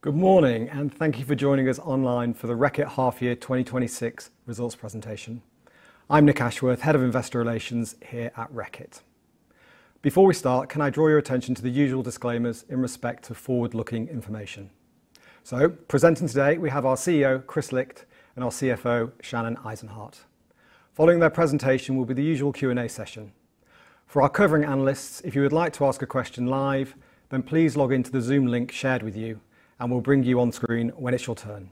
Good morning, and thank you for joining us online for the Reckitt half year 2026 results presentation. I'm Nick Ashworth, head of investor relations here at Reckitt. Before we start, can I draw your attention to the usual disclaimers in respect to forward-looking information? Presenting today, we have our CEO, Kris Licht, and our CFO, Shannon Eisenhardt. Following their presentation will be the usual Q&A session. For our covering analysts, if you would like to ask a question live, please log into the Zoom link shared with you, and we'll bring you on screen when it's your turn.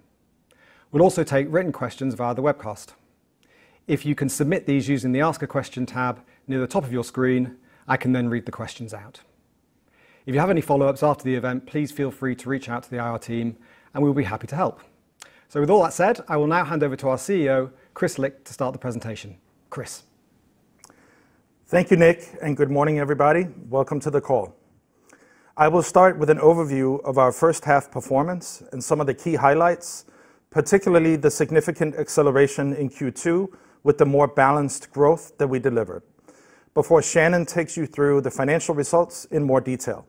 We'll also take written questions via the webcast. If you can submit these using the Ask a Question tab near the top of your screen, I can then read the questions out. If you have any follow-ups after the event, please feel free to reach out to the IR team, and we'll be happy to help. With all that said, I will now hand over to our CEO, Kris Licht, to start the presentation. Kris. Thank you, Nick, good morning, everybody. Welcome to the call. I will start with an overview of our first half performance and some of the key highlights, particularly the significant acceleration in Q2 with the more balanced growth that we delivered before Shannon takes you through the financial results in more detail.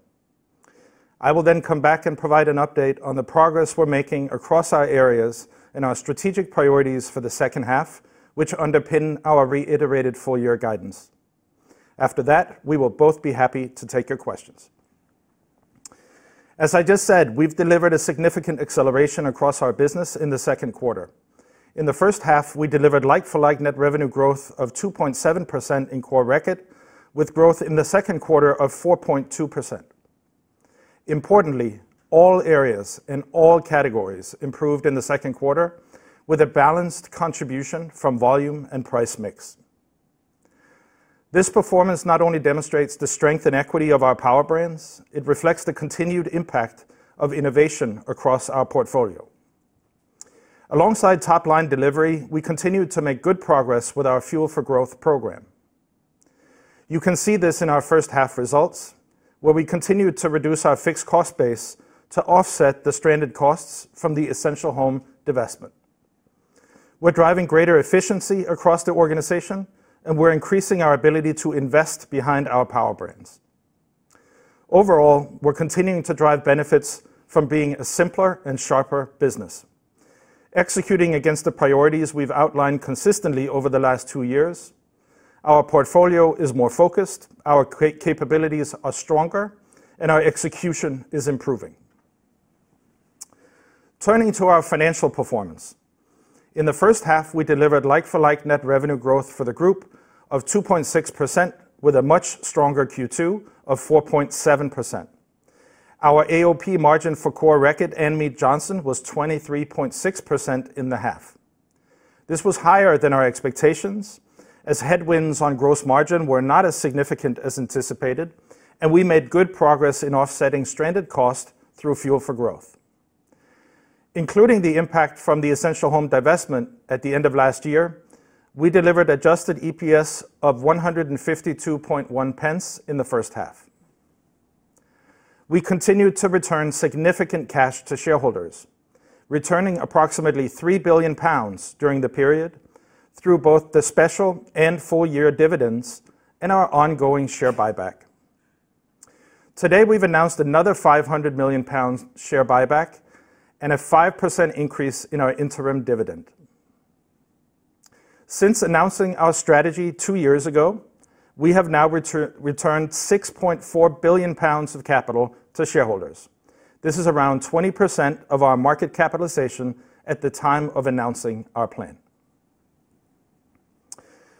I will then come back and provide an update on the progress we're making across our areas and our strategic priorities for the second half, which underpin our reiterated full-year guidance. After that, we will both be happy to take your questions. As I just said, we've delivered a significant acceleration across our business in the Q2. In the first half, we delivered like-for-like net revenue growth of 2.7% in Core Reckitt, with growth in the Q2 of 4.2%. Importantly, all areas in all categories improved in the Q2 with a balanced contribution from volume and price mix. This performance not only demonstrates the strength and equity of our Powerbrands, it reflects the continued impact of innovation across our portfolio. Alongside top-line delivery, we continued to make good progress with our Fuel for Growth program. You can see this in our first half results, where we continued to reduce our fixed cost base to offset the stranded costs from the Essential Home divestment. We're driving greater efficiency across the organization, and we're increasing our ability to invest behind our Powerbrands. Overall, we're continuing to drive benefits from being a simpler and sharper business. Executing against the priorities we've outlined consistently over the last two years, our portfolio is more focused, our capabilities are stronger, and our execution is improving. Turning to our financial performance. In the first half, we delivered like-for-like net revenue growth for the group of 2.6%, with a much stronger Q2 of 4.7%. Our AOP margin for Core Reckitt and Mead Johnson was 23.6% in the half. This was higher than our expectations, as headwinds on gross margin were not as significant as anticipated, and we made good progress in offsetting stranded cost through Fuel for Growth. Including the impact from the Essential Home divestment at the end of last year, we delivered adjusted EPS of 1.521 in the first half. We continued to return significant cash to shareholders, returning approximately 3 billion pounds during the period through both the special and full-year dividends and our ongoing share buyback. Today, we've announced another 500 million pounds share buyback and a 5% increase in our interim dividend. Since announcing our strategy two years ago, we have now returned 6.4 billion pounds of capital to shareholders. This is around 20% of our market capitalization at the time of announcing our plan.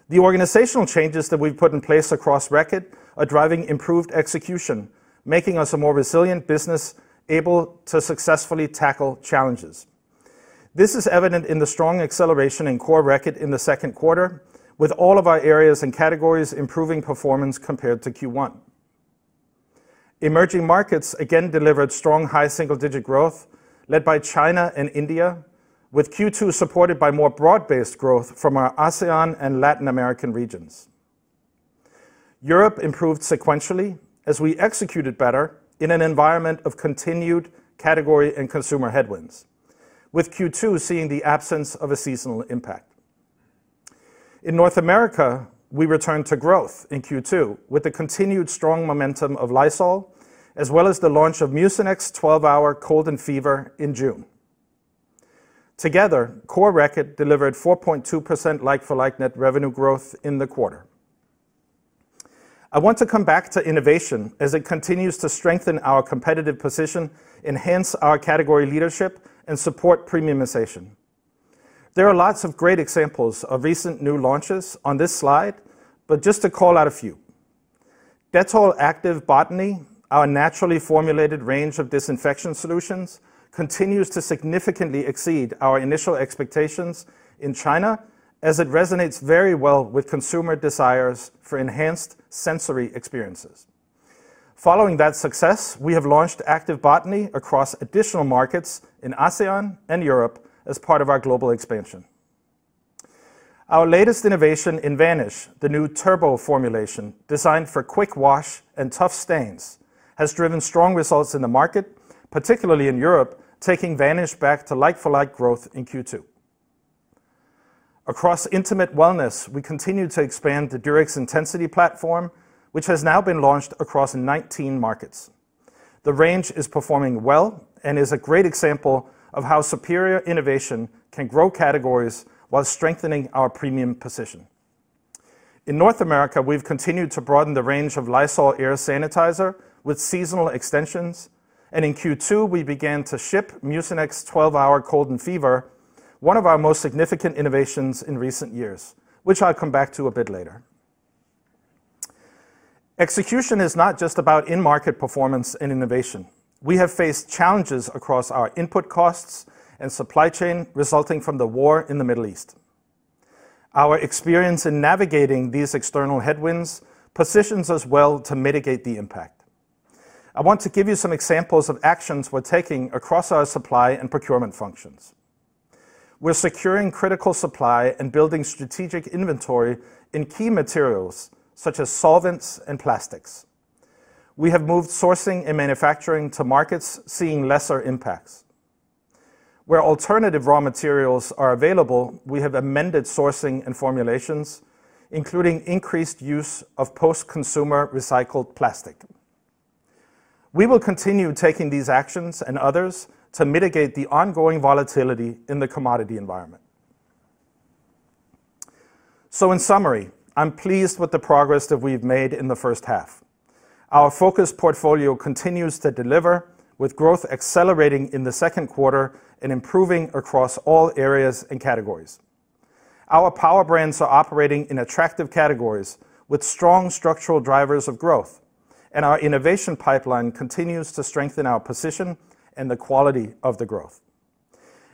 The organizational changes that we've put in place across Reckitt are driving improved execution, making us a more resilient business able to successfully tackle challenges. This is evident in the strong acceleration in Core Reckitt in the Q2 with all of our areas and categories improving performance compared to Q1. Emerging markets again delivered strong, high single-digit growth led by China and India, with Q2 supported by more broad-based growth from our ASEAN and Latin American regions. Europe improved sequentially as we executed better in an environment of continued category and consumer headwinds, with Q2 seeing the absence of a seasonal impact. In North America, we returned to growth in Q2 with the continued strong momentum of Lysol, as well as the launch of Mucinex 12 Hour Cold & Fever in June. Together, Core Reckitt delivered 4.2% like-for-like net revenue growth in the quarter. I want to come back to innovation as it continues to strengthen our competitive position, enhance our category leadership, and support premiumization. There are lots of great examples of recent new launches on this slide, but just to call out a few. Dettol Activ Botany, our naturally formulated range of disinfection solutions, continues to significantly exceed our initial expectations in China as it resonates very well with consumer desires for enhanced sensory experiences. Following that success, we have launched Activ Botany across additional markets in ASEAN and Europe as part of our global expansion. Our latest innovation in Vanish, the new turbo formulation designed for quick wash and tough stains, has driven strong results in the market, particularly in Europe, taking Vanish back to like-for-like growth in Q2. Across Intimate Wellness, we continue to expand the Durex Intensity platform, which has now been launched across 19 markets. The range is performing well and is a great example of how superior innovation can grow categories while strengthening our premium position. In North America, we've continued to broaden the range of Lysol Air Sanitizer with seasonal extensions, and in Q2, we began to ship Mucinex 12 Hour Cold & Fever, one of our most significant innovations in recent years, which I'll come back to a bit later. Execution is not just about in-market performance and innovation. We have faced challenges across our input costs and supply chain resulting from the war in the Middle East. Our experience in navigating these external headwinds positions us well to mitigate the impact. I want to give you some examples of actions we're taking across our supply and procurement functions. We're securing critical supply and building strategic inventory in key materials such as solvents and plastics. We have moved sourcing and manufacturing to markets seeing lesser impacts. Where alternative raw materials are available, we have amended sourcing and formulations, including increased use of post-consumer recycled plastic. We will continue taking these actions and others to mitigate the ongoing volatility in the commodity environment. In summary, I'm pleased with the progress that we've made in the first half. Our focused portfolio continues to deliver, with growth accelerating in the Q2 and improving across all areas and categories. Our Powerbrands are operating in attractive categories with strong structural drivers of growth, our innovation pipeline continues to strengthen our position and the quality of the growth.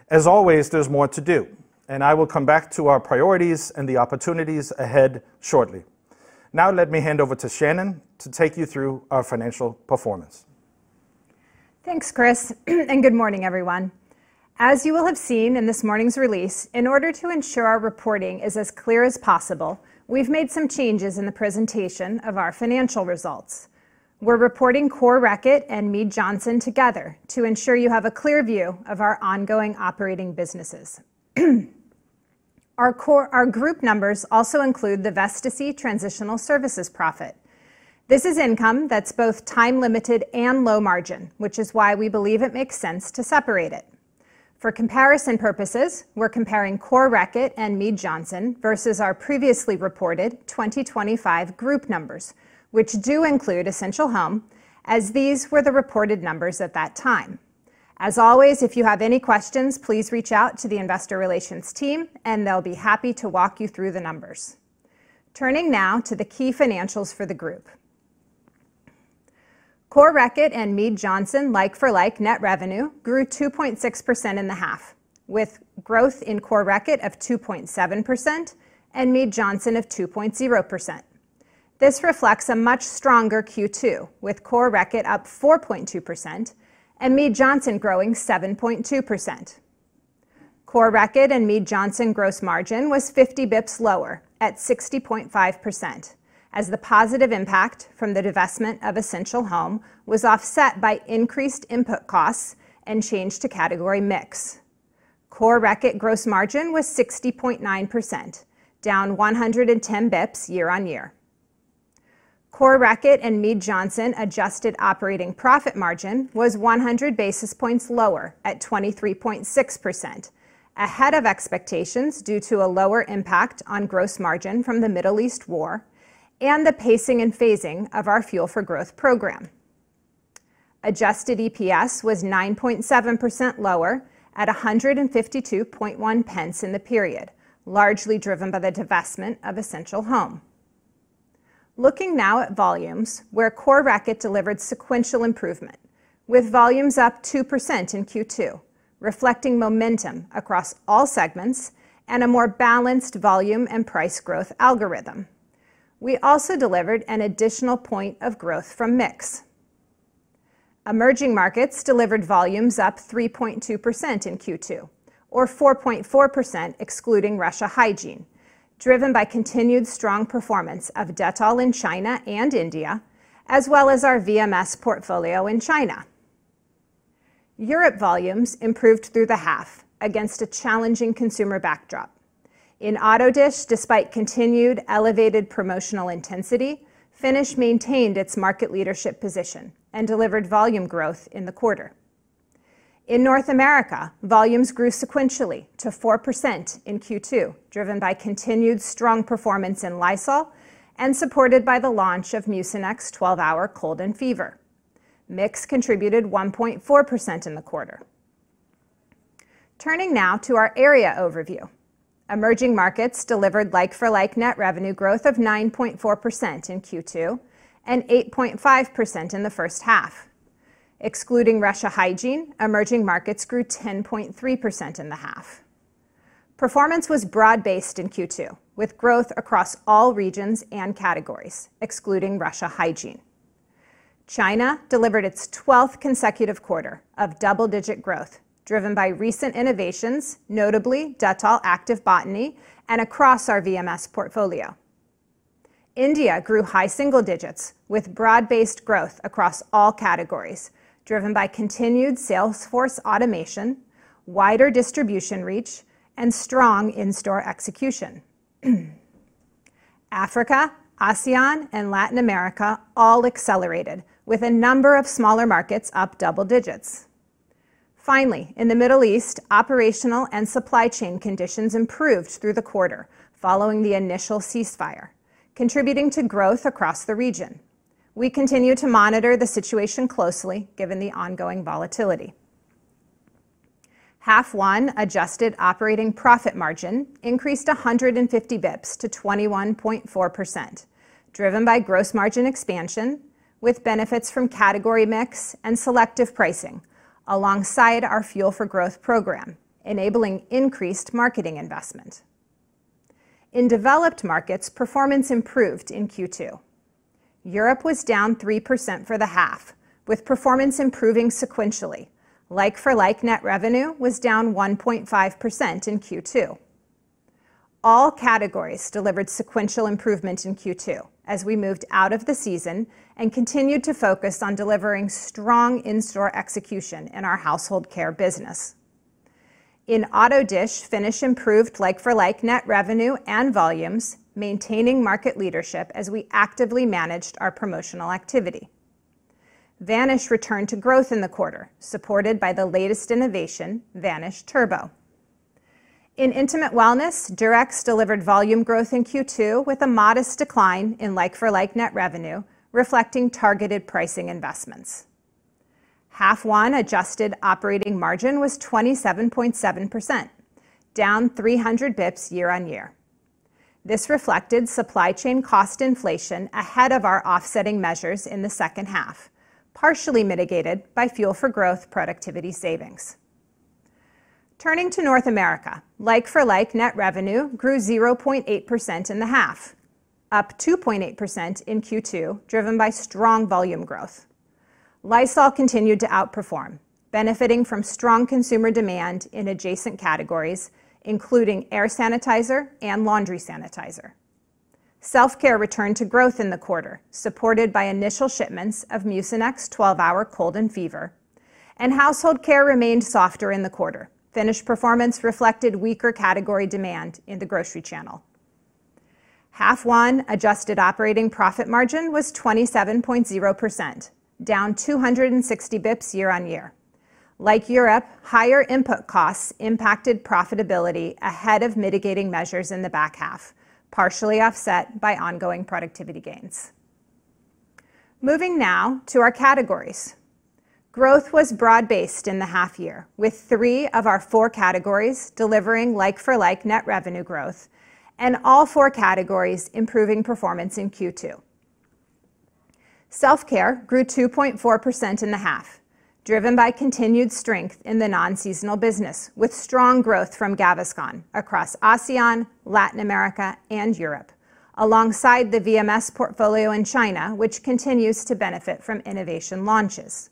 As always, there's more to do, I will come back to our priorities and the opportunities ahead shortly. Let me hand over to Shannon to take you through our financial performance. Thanks, Kris, good morning, everyone. As you will have seen in this morning's release, in order to ensure our reporting is as clear as possible, we've made some changes in the presentation of our financial results. We're reporting Core Reckitt and Mead Johnson together to ensure you have a clear view of our ongoing operating businesses. Our group numbers also include the Vestas transitional services profit. This is income that's both time-limited and low margin, which is why we believe it makes sense to separate it. For comparison purposes, we're comparing Core Reckitt and Mead Johnson versus our previously reported 2025 group numbers, which do include Essential Home, as these were the reported numbers at that time. As always, if you have any questions, please reach out to the investor relations team, they'll be happy to walk you through the numbers. Turning to the key financials for the group. Core Reckitt and Mead Johnson like-for-like net revenue grew 2.6% in the half, with growth in Core Reckitt of 2.7% and Mead Johnson of 2.0%. This reflects a much stronger Q2, with Core Reckitt up 4.2% and Mead Johnson growing 7.2%. Core Reckitt and Mead Johnson gross margin was 50 basis points lower at 60.5%, as the positive impact from the divestment of Essential Home was offset by increased input costs and change to category mix. Core Reckitt gross margin was 60.9%, down 110 basis points year-over-year. Core Reckitt and Mead Johnson adjusted operating profit margin was 100 basis points lower at 23.6%, ahead of expectations due to a lower impact on gross margin from the Middle East war and the pacing and phasing of our Fuel for Growth program. Adjusted EPS was 9.7% lower at 1.521 in the period, largely driven by the divestment of Essential Home. Looking now at volumes where Core Reckitt delivered sequential improvement with volumes up 2% in Q2, reflecting momentum across all segments and a more balanced volume and price growth algorithm. We also delivered an additional point of growth from mix. Emerging markets delivered volumes up 3.2% in Q2, or 4.4% excluding Russia Hygiene, driven by continued strong performance of Dettol in China and India, as well as our VMS portfolio in China. Europe volumes improved through the half against a challenging consumer backdrop. In Auto Dish, despite continued elevated promotional intensity, Finish maintained its market leadership position and delivered volume growth in the quarter. In North America, volumes grew sequentially to 4% in Q2, driven by continued strong performance in Lysol and supported by the launch of Mucinex 12 Hour Cold & Fever. Mix contributed 1.4% in the quarter. Turning now to our area overview. Emerging markets delivered like-for-like net revenue growth of 9.4% in Q2 and 8.5% in the first half. Excluding Russia Hygiene, emerging markets grew 10.3% in the half. Performance was broad-based in Q2, with growth across all regions and categories, excluding Russia Hygiene. China delivered its 12th consecutive quarter of double-digit growth, driven by recent innovations, notably Dettol Activ Botany and across our VMS portfolio. India grew high single digits with broad-based growth across all categories, driven by continued sales force automation, wider distribution reach, and strong in-store execution. Africa, ASEAN, and Latin America all accelerated with a number of smaller markets up double digits. Finally, in the Middle East, operational and supply chain conditions improved through the quarter following the initial ceasefire, contributing to growth across the region. We continue to monitor the situation closely given the ongoing volatility. Half one adjusted operating profit margin increased 150 basis points to 21.4%, driven by gross margin expansion with benefits from category mix and selective pricing alongside our Fuel for Growth program, enabling increased marketing investment. In developed markets, performance improved in Q2. Europe was down 3% for the half, with performance improving sequentially. Like-for-like net revenue was down 1.5% in Q2. All categories delivered sequential improvement in Q2 as we moved out of the season and continued to focus on delivering strong in-store execution in our Household Care business. In Auto Dish, Finish improved like-for-like net revenue and volumes, maintaining market leadership as we actively managed our promotional activity. Vanish returned to growth in the quarter, supported by the latest innovation, Vanish Turbo. In Intimate Wellness, Durex delivered volume growth in Q2 with a modest decline in like-for-like net revenue reflecting targeted pricing investments. Half one adjusted operating margin was 27.7%, down 300 basis points year-on-year. This reflected supply chain cost inflation ahead of our offsetting measures in the second half, partially mitigated by Fuel for Growth productivity savings. Turning to North America, like-for-like net revenue grew 0.8% in the half, up 2.8% in Q2, driven by strong volume growth. Lysol continued to outperform, benefiting from strong consumer demand in adjacent categories, including air sanitizer and laundry sanitizer. Self Care returned to growth in the quarter, supported by initial shipments of Mucinex 12 Hour Cold & Fever, and Household Care remained softer in the quarter. Finish performance reflected weaker category demand in the grocery channel. Half one adjusted operating profit margin was 27.0%, down 260 basis points year-on-year. Like Europe, higher input costs impacted profitability ahead of mitigating measures in the back half, partially offset by ongoing productivity gains. Moving now to our categories. Growth was broad-based in the half year, with three of our four categories delivering like-for-like net revenue growth and all four categories improving performance in Q2. Self Care grew 2.4% in the half, driven by continued strength in the non-seasonal business, with strong growth from Gaviscon across ASEAN, Latin America, and Europe, alongside the VMS portfolio in China, which continues to benefit from innovation launches.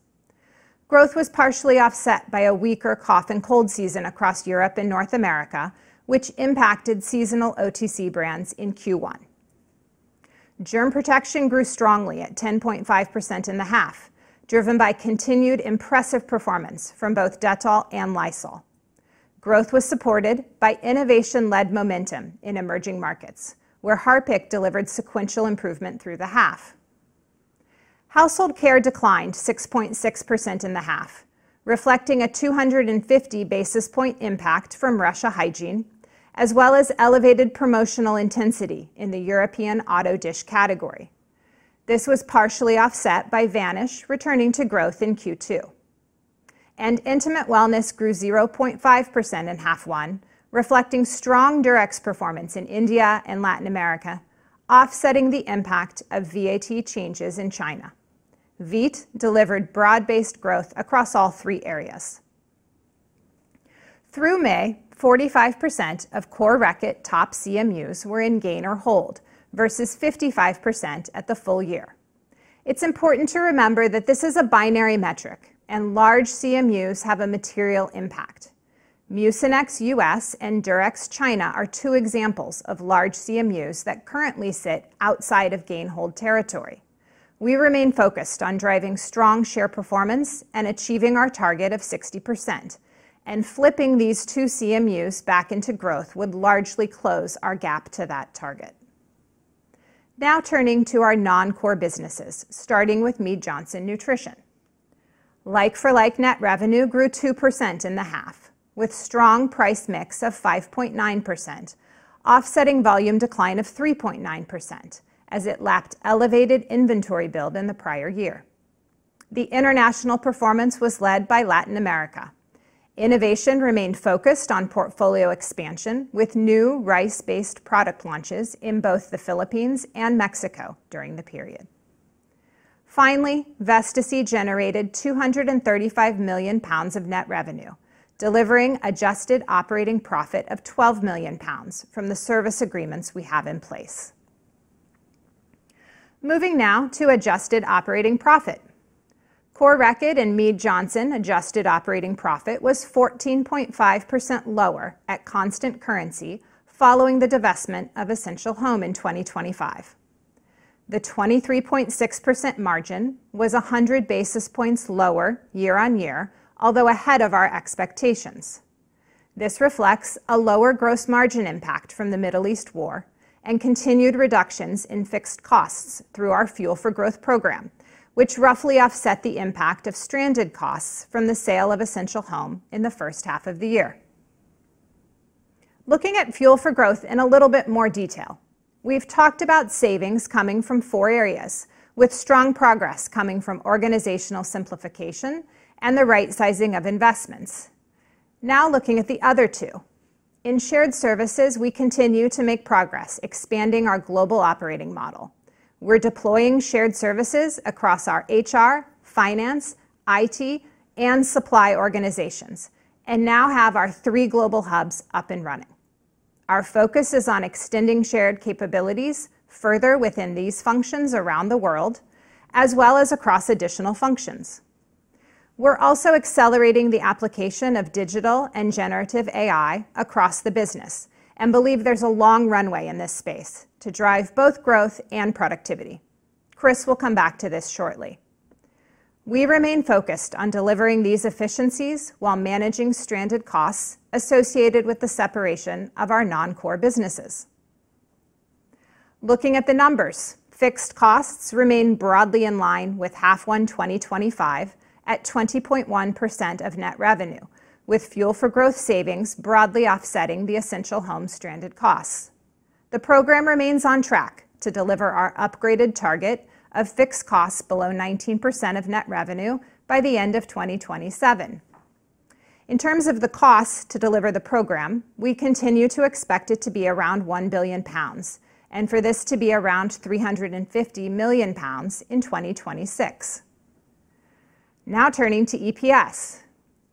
Growth was partially offset by a weaker cough and cold season across Europe and North America, which impacted seasonal OTC brands in Q1. Germ Protection grew strongly at 10.5% in the half, driven by continued impressive performance from both Dettol and Lysol. Growth was supported by innovation-led momentum in emerging markets, where Harpic delivered sequential improvement through the half. Household Care declined 6.6% in the half, reflecting a 250 basis point impact from Russia Hygiene, as well as elevated promotional intensity in the European Auto Dish category. This was partially offset by Vanish returning to growth in Q2. Intimate Wellness grew 0.5% in half one, reflecting strong Durex performance in India and Latin America, offsetting the impact of VAT changes in China. Veet delivered broad-based growth across all three areas. Through May, 45% of Core Reckitt top CMUs were in gain or hold, versus 55% at the full year. It's important to remember that this is a binary metric, and large CMUs have a material impact. Mucinex U.S. and Durex China are two examples of large CMUs that currently sit outside of gain hold territory. We remain focused on driving strong share performance and achieving our target of 60%, and flipping these two CMUs back into growth would largely close our gap to that target. Turning to our non-core businesses, starting with Mead Johnson Nutrition. Like-for-like net revenue grew 2% in the half, with strong price mix of 5.9%, offsetting volume decline of 3.9% as it lapped elevated inventory build in the prior year. The international performance was led by Latin America. Innovation remained focused on portfolio expansion, with new rice-based product launches in both the Philippines and Mexico during the period. Finally, Vestascy generated 235 million pounds of net revenue, delivering adjusted operating profit of 12 million pounds from the service agreements we have in place. Moving now to adjusted operating profit. Core Reckitt and Mead Johnson adjusted operating profit was 14.5% lower at constant currency following the divestment of Essential Home in 2025. The 23.6% margin was 100 basis points lower year-on-year, although ahead of our expectations. This reflects a lower gross margin impact from the Middle East war and continued reductions in fixed costs through our Fuel for Growth program, which roughly offset the impact of stranded costs from the sale of Essential Home in the first half of the year. Looking at Fuel for Growth in a little bit more detail. We've talked about savings coming from four areas, with strong progress coming from organizational simplification and the right-sizing of investments. Looking at the other two. In shared services, we continue to make progress expanding our global operating model. We're deploying shared services across our HR, finance, IT, and supply organizations, and now have our three global hubs up and running. Our focus is on extending shared capabilities further within these functions around the world, as well as across additional functions. We are also accelerating the application of digital and generative AI across the business and believe there is a long runway in this space to drive both growth and productivity. Kris will come back to this shortly. We remain focused on delivering these efficiencies while managing stranded costs associated with the separation of our non-Core businesses. Looking at the numbers, fixed costs remain broadly in line with half one 2025 at 20.1% of net revenue, with Fuel for Growth savings broadly offsetting the Essential Home stranded costs. The program remains on track to deliver our upgraded target of fixed costs below 19% of net revenue by the end of 2027. In terms of the costs to deliver the program, we continue to expect it to be around 1 billion pounds, and for this to be around 350 million pounds in 2026. Now turning to EPS.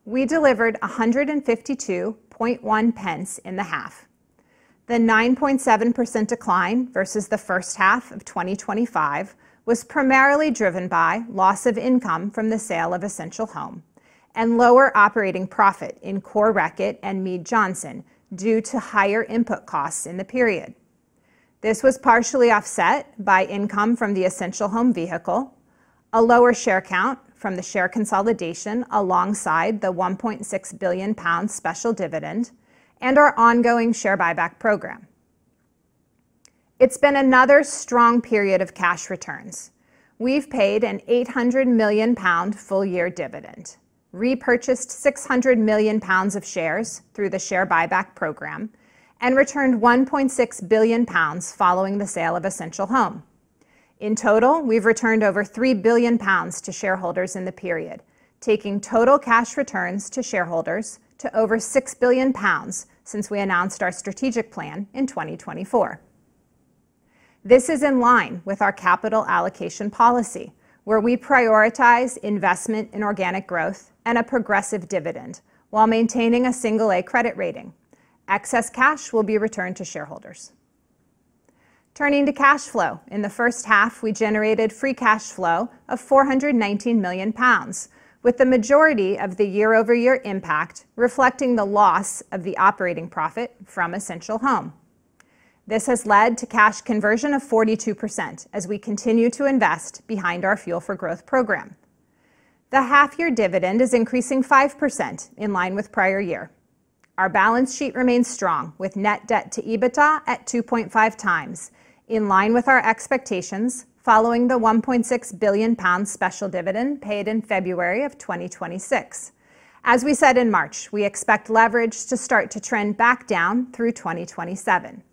We delivered 1.521 in the half. The 9.7% decline versus the first half of 2025 was primarily driven by loss of income from the sale of Essential Home and lower operating profit in Core Reckitt and Mead Johnson due to higher input costs in the period. This was partially offset by income from the Essential Home vehicle, a lower share count from the share consolidation alongside the 1.6 billion pound special dividend, and our ongoing share buyback program. It is been another strong period of cash returns. We have paid an 800 million pound full-year dividend, repurchased 600 million pounds of shares through the share buyback program, and returned 1.6 billion pounds following the sale of Essential Home. In total, we have returned over 3 billion pounds to shareholders in the period, taking total cash returns to shareholders to over 6 billion pounds since we announced our strategic plan in 2024. This is in line with our capital allocation policy, where we prioritize investment in organic growth and a progressive dividend while maintaining a single A credit rating. Excess cash will be returned to shareholders. Turning to cash flow. In the first half, we generated free cash flow of 419 million pounds, with the majority of the year-over-year impact reflecting the loss of the operating profit from Essential Home. This has led to cash conversion of 42% as we continue to invest behind our Fuel for Growth program. The half-year dividend is increasing 5% in line with prior year. Our balance sheet remains strong, with net debt to EBITDA at 2.5 times, in line with our expectations following the 1.6 billion pound special dividend paid in February 2026. As we said in March, we expect leverage to start to trend back down through 2027.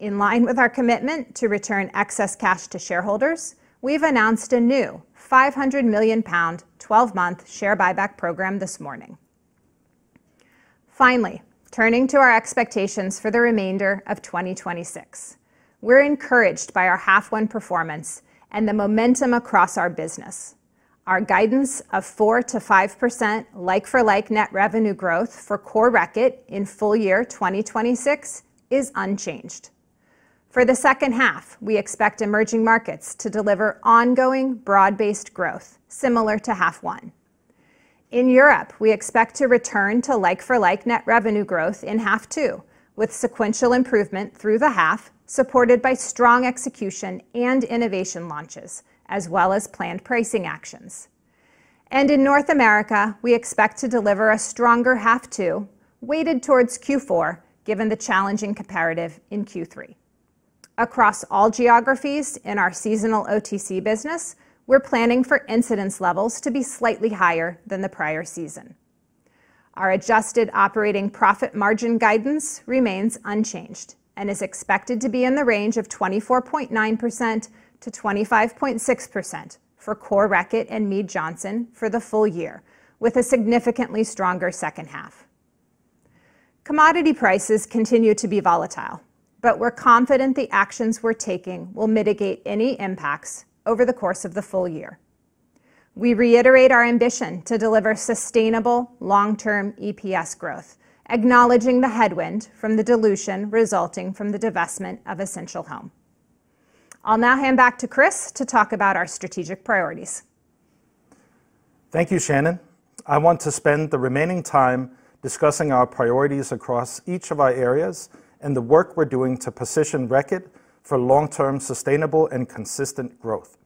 In line with our commitment to return excess cash to shareholders, we have announced a new 500 million pound, 12-month share buyback program this morning. Finally, turning to our expectations for the remainder of 2026. We are encouraged by our half 1 performance and the momentum across our business. Our guidance of 4%-5% like-for-like net revenue growth for Core Reckitt in full-year 2026 is unchanged. For the second half, we expect emerging markets to deliver ongoing broad-based growth similar to half one. In Europe, we expect to return to like-for-like net revenue growth in half two, with sequential improvement through the half, supported by strong execution and innovation launches, as well as planned pricing actions. In North America, we expect to deliver a stronger half two weighted towards Q4, given the challenging comparative in Q3. Across all geographies in our seasonal OTC business, we're planning for incidence levels to be slightly higher than the prior season. Our adjusted operating profit margin guidance remains unchanged and is expected to be in the range of 24.9%-25.6% for Core Reckitt and Mead Johnson for the full year, with a significantly stronger second half. Commodity prices continue to be volatile, we're confident the actions we're taking will mitigate any impacts over the course of the full year. We reiterate our ambition to deliver sustainable long-term EPS growth, acknowledging the headwind from the dilution resulting from the divestment of Essential Home. I'll now hand back to Kris to talk about our strategic priorities. Thank you, Shannon. I want to spend the remaining time discussing our priorities across each of our areas and the work we're doing to position Reckitt for long-term sustainable and consistent growth.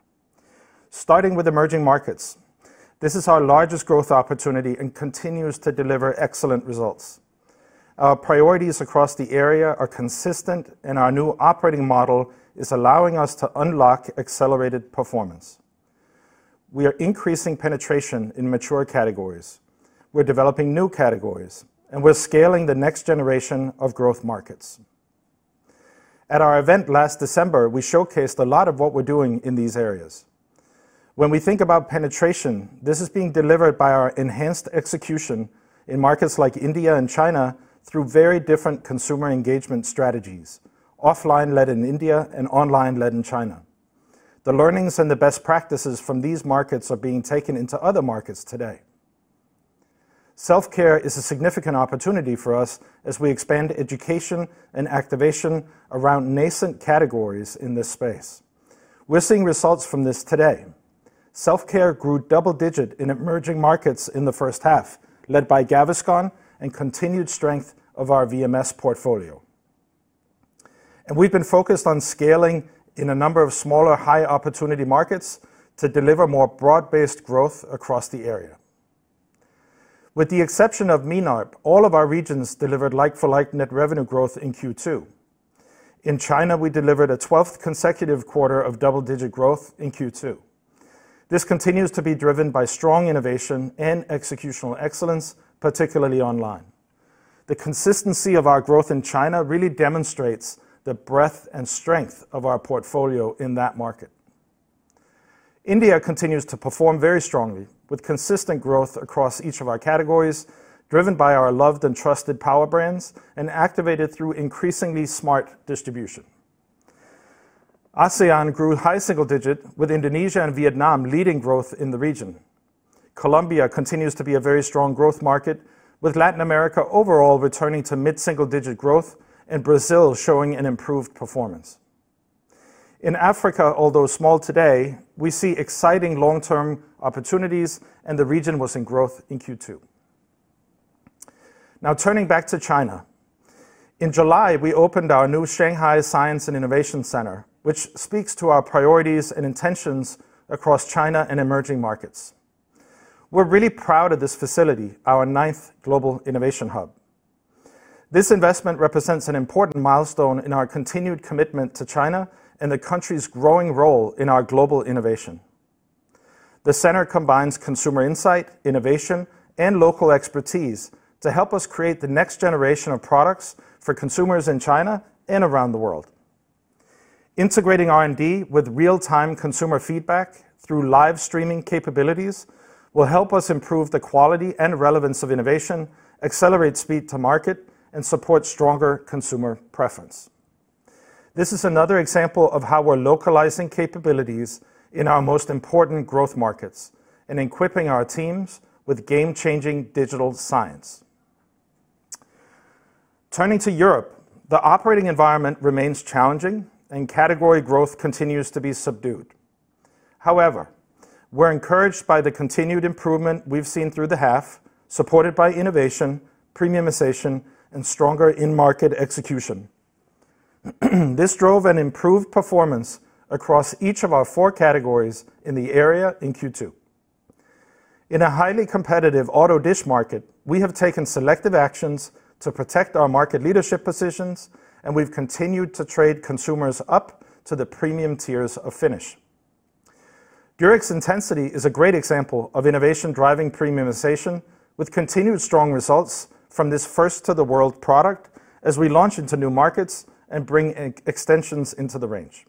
Starting with emerging markets. This is our largest growth opportunity and continues to deliver excellent results. Our priorities across the area are consistent, our new operating model is allowing us to unlock accelerated performance. We are increasing penetration in mature categories, we're developing new categories, we're scaling the next generation of growth markets. At our event last December, we showcased a lot of what we're doing in these areas. When we think about penetration, this is being delivered by our enhanced execution in markets like India and China through very different consumer engagement strategies, offline-led in India and online-led in China. The learnings and the best practices from these markets are being taken into other markets today. Self Care is a significant opportunity for us as we expand education and activation around nascent categories in this space. We're seeing results from this today. Self Care grew double digit in emerging markets in the first half, led by Gaviscon and continued strength of our VMS portfolio. We've been focused on scaling in a number of smaller, high-opportunity markets to deliver more broad-based growth across the area. With the exception of MENAHP, all of our regions delivered like-for-like net revenue growth in Q2. In China, we delivered a 12th consecutive quarter of double-digit growth in Q2. This continues to be driven by strong innovation and executional excellence, particularly online. The consistency of our growth in China really demonstrates the breadth and strength of our portfolio in that market. India continues to perform very strongly, with consistent growth across each of our categories, driven by our loved and trusted Powerbrands and activated through increasingly smart distribution. ASEAN grew high single-digit, with Indonesia and Vietnam leading growth in the region. Colombia continues to be a very strong growth market, with Latin America overall returning to mid-single-digit growth and Brazil showing an improved performance. In Africa, although small today, we see exciting long-term opportunities, and the region was in growth in Q2. Turning back to China. In July, we opened our new Shanghai Science and Innovation Center, which speaks to our priorities and intentions across China and emerging markets. We're really proud of this facility, our ninth global innovation hub. This investment represents an important milestone in our continued commitment to China and the country's growing role in our global innovation. The center combines consumer insight, innovation, and local expertise to help us create the next generation of products for consumers in China and around the world. Integrating R&D with real-time consumer feedback through live streaming capabilities will help us improve the quality and relevance of innovation, accelerate speed to market, and support stronger consumer preference. This is another example of how we're localizing capabilities in our most important growth markets and equipping our teams with game-changing digital science. Turning to Europe, the operating environment remains challenging and category growth continues to be subdued. We're encouraged by the continued improvement we've seen through the half, supported by innovation, premiumization, and stronger in-market execution. This drove an improved performance across each of our four categories in the area in Q2. In a highly competitive Auto Dish market, we've taken selective actions to protect our market leadership positions, and we've continued to trade consumers up to the premium tiers of Finish. Durex Intensity is a great example of innovation driving premiumization with continued strong results from this first-to-the-world product as we launch into new markets and bring extensions into the range.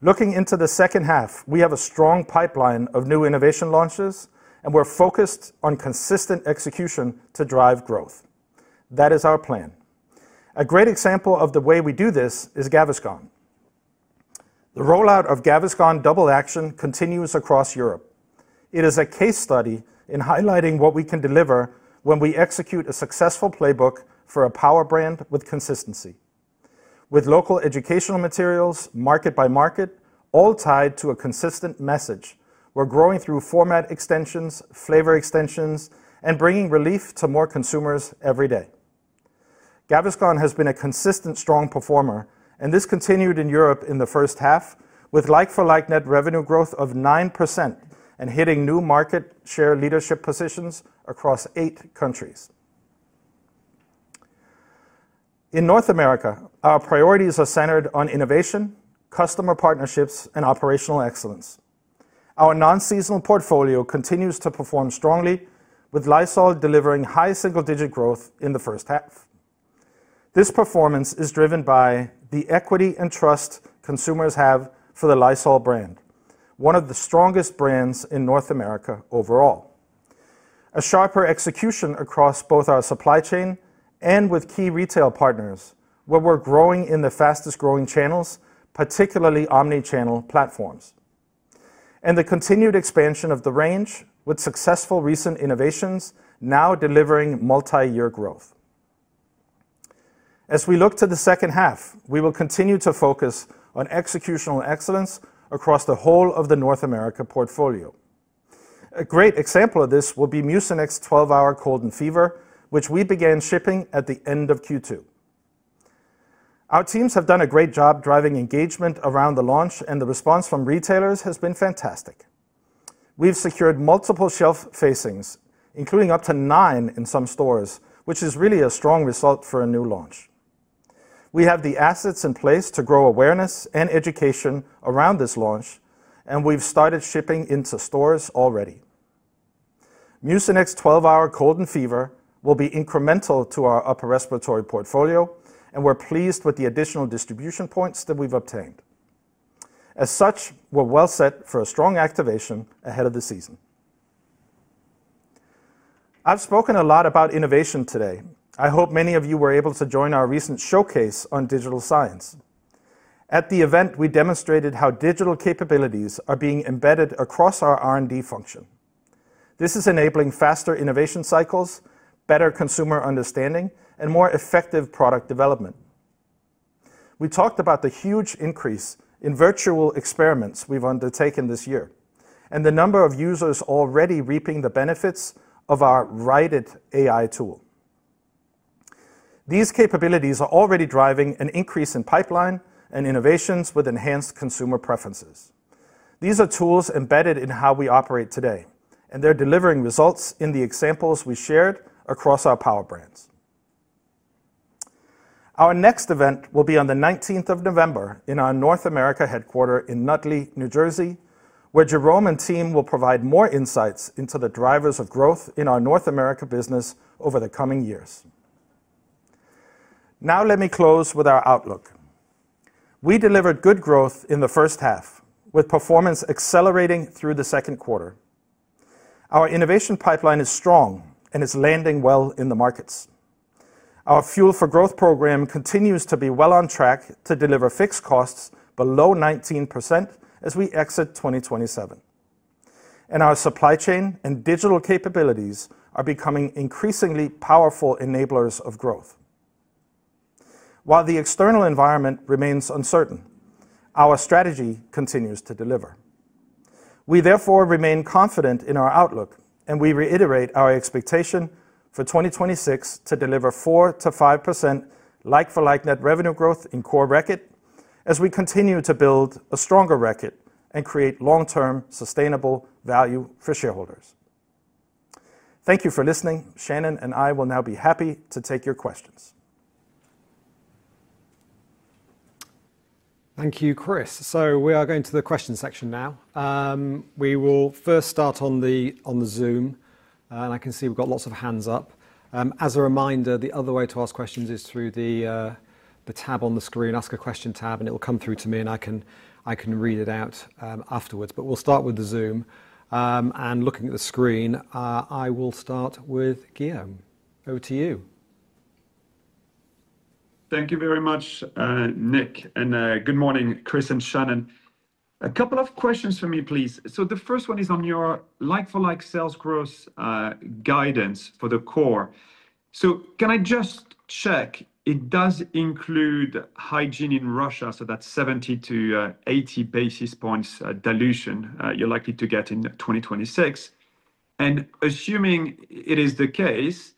Looking into the second half, we have a strong pipeline of new innovation launches, and we're focused on consistent execution to drive growth. That is our plan. A great example of the way we do this is Gaviscon. The rollout of Gaviscon Double Action continues across Europe. It is a case study in highlighting what we can deliver when we execute a successful playbook for a Powerbrand with consistency. With local educational materials, market by market, all tied to a consistent message, we're growing through format extensions, flavor extensions, and bringing relief to more consumers every day. Gaviscon has been a consistent strong performer. This continued in Europe in the first half with LFL net revenue growth of 9% and hitting new market share leadership positions across eight countries. In North America, our priorities are centered on innovation, customer partnerships, and operational excellence. Our non-seasonal portfolio continues to perform strongly with Lysol delivering high single-digit growth in the first half. This performance is driven by the equity and trust consumers have for the Lysol brand, one of the strongest brands in North America overall. A sharper execution across both our supply chain and with key retail partners where we're growing in the fastest-growing channels, particularly omni-channel platforms. And the continued expansion of the range with successful recent innovations now delivering multi-year growth. As we look to the second half, we will continue to focus on executional excellence across the whole of the North America portfolio. A great example of this will be Mucinex 12 Hour Cold & Fever, which we began shipping at the end of Q2. Our teams have done a great job driving engagement around the launch, and the response from retailers has been fantastic. We've secured multiple shelf facings, including up to nine in some stores, which is really a strong result for a new launch. We have the assets in place to grow awareness and education around this launch, and we've started shipping into stores already. Mucinex 12 Hour Cold & Fever will be incremental to our upper respiratory portfolio, and we're pleased with the additional distribution points that we've obtained. As such, we're well set for a strong activation ahead of the season. I've spoken a lot about innovation today. I hope many of you were able to join our recent showcase on digital science. At the event, we demonstrated how digital capabilities are being embedded across our R&D function. This is enabling faster innovation cycles, better consumer understanding, and more effective product development. We talked about the huge increase in virtual experiments we've undertaken this year, and the number of users already reaping the benefits of our writed AI tool. These capabilities are already driving an increase in pipeline and innovations with enhanced consumer preferences. These are tools embedded in how we operate today, and they're delivering results in the examples we shared across our Powerbrands. Our next event will be on the 19th of November in our North America headquarter in Nutley, New Jersey, where Jérôme and team will provide more insights into the drivers of growth in our North America business over the coming years. Now let me close with our outlook. We delivered good growth in the first half, with performance accelerating through the Q2. Our innovation pipeline is strong, and it's landing well in the markets. Our Fuel for Growth program continues to be well on track to deliver fixed costs below 19% as we exit 2027, and our supply chain and digital capabilities are becoming increasingly powerful enablers of growth. While the external environment remains uncertain, our strategy continues to deliver. We therefore remain confident in our outlook, and we reiterate our expectation for 2026 to deliver 4%-5% like-for-like net revenue growth in Core Reckitt, as we continue to build a stronger Reckitt and create long-term sustainable value for shareholders. Thank you for listening. Shannon and I will now be happy to take your questions. Thank you, Kris. We are going to the questions section now. We will first start on the Zoom, I can see we've got lots of hands up. As a reminder, the other way to ask questions is through the tab on the screen, Ask a Question tab, it will come through to me, and I can read it out afterwards. We'll start with the Zoom, looking at the screen, I will start with Guillaume. Over to you. Thank you very much, Nick, and good morning, Kris and Shannon. A couple of questions from me, please. The first one is on your like-for-like sales growth guidance for the core. Can I just check it does include Russia Hygiene, that 70-80 basis points dilution you're likely to get in 2026? Assuming it is the case,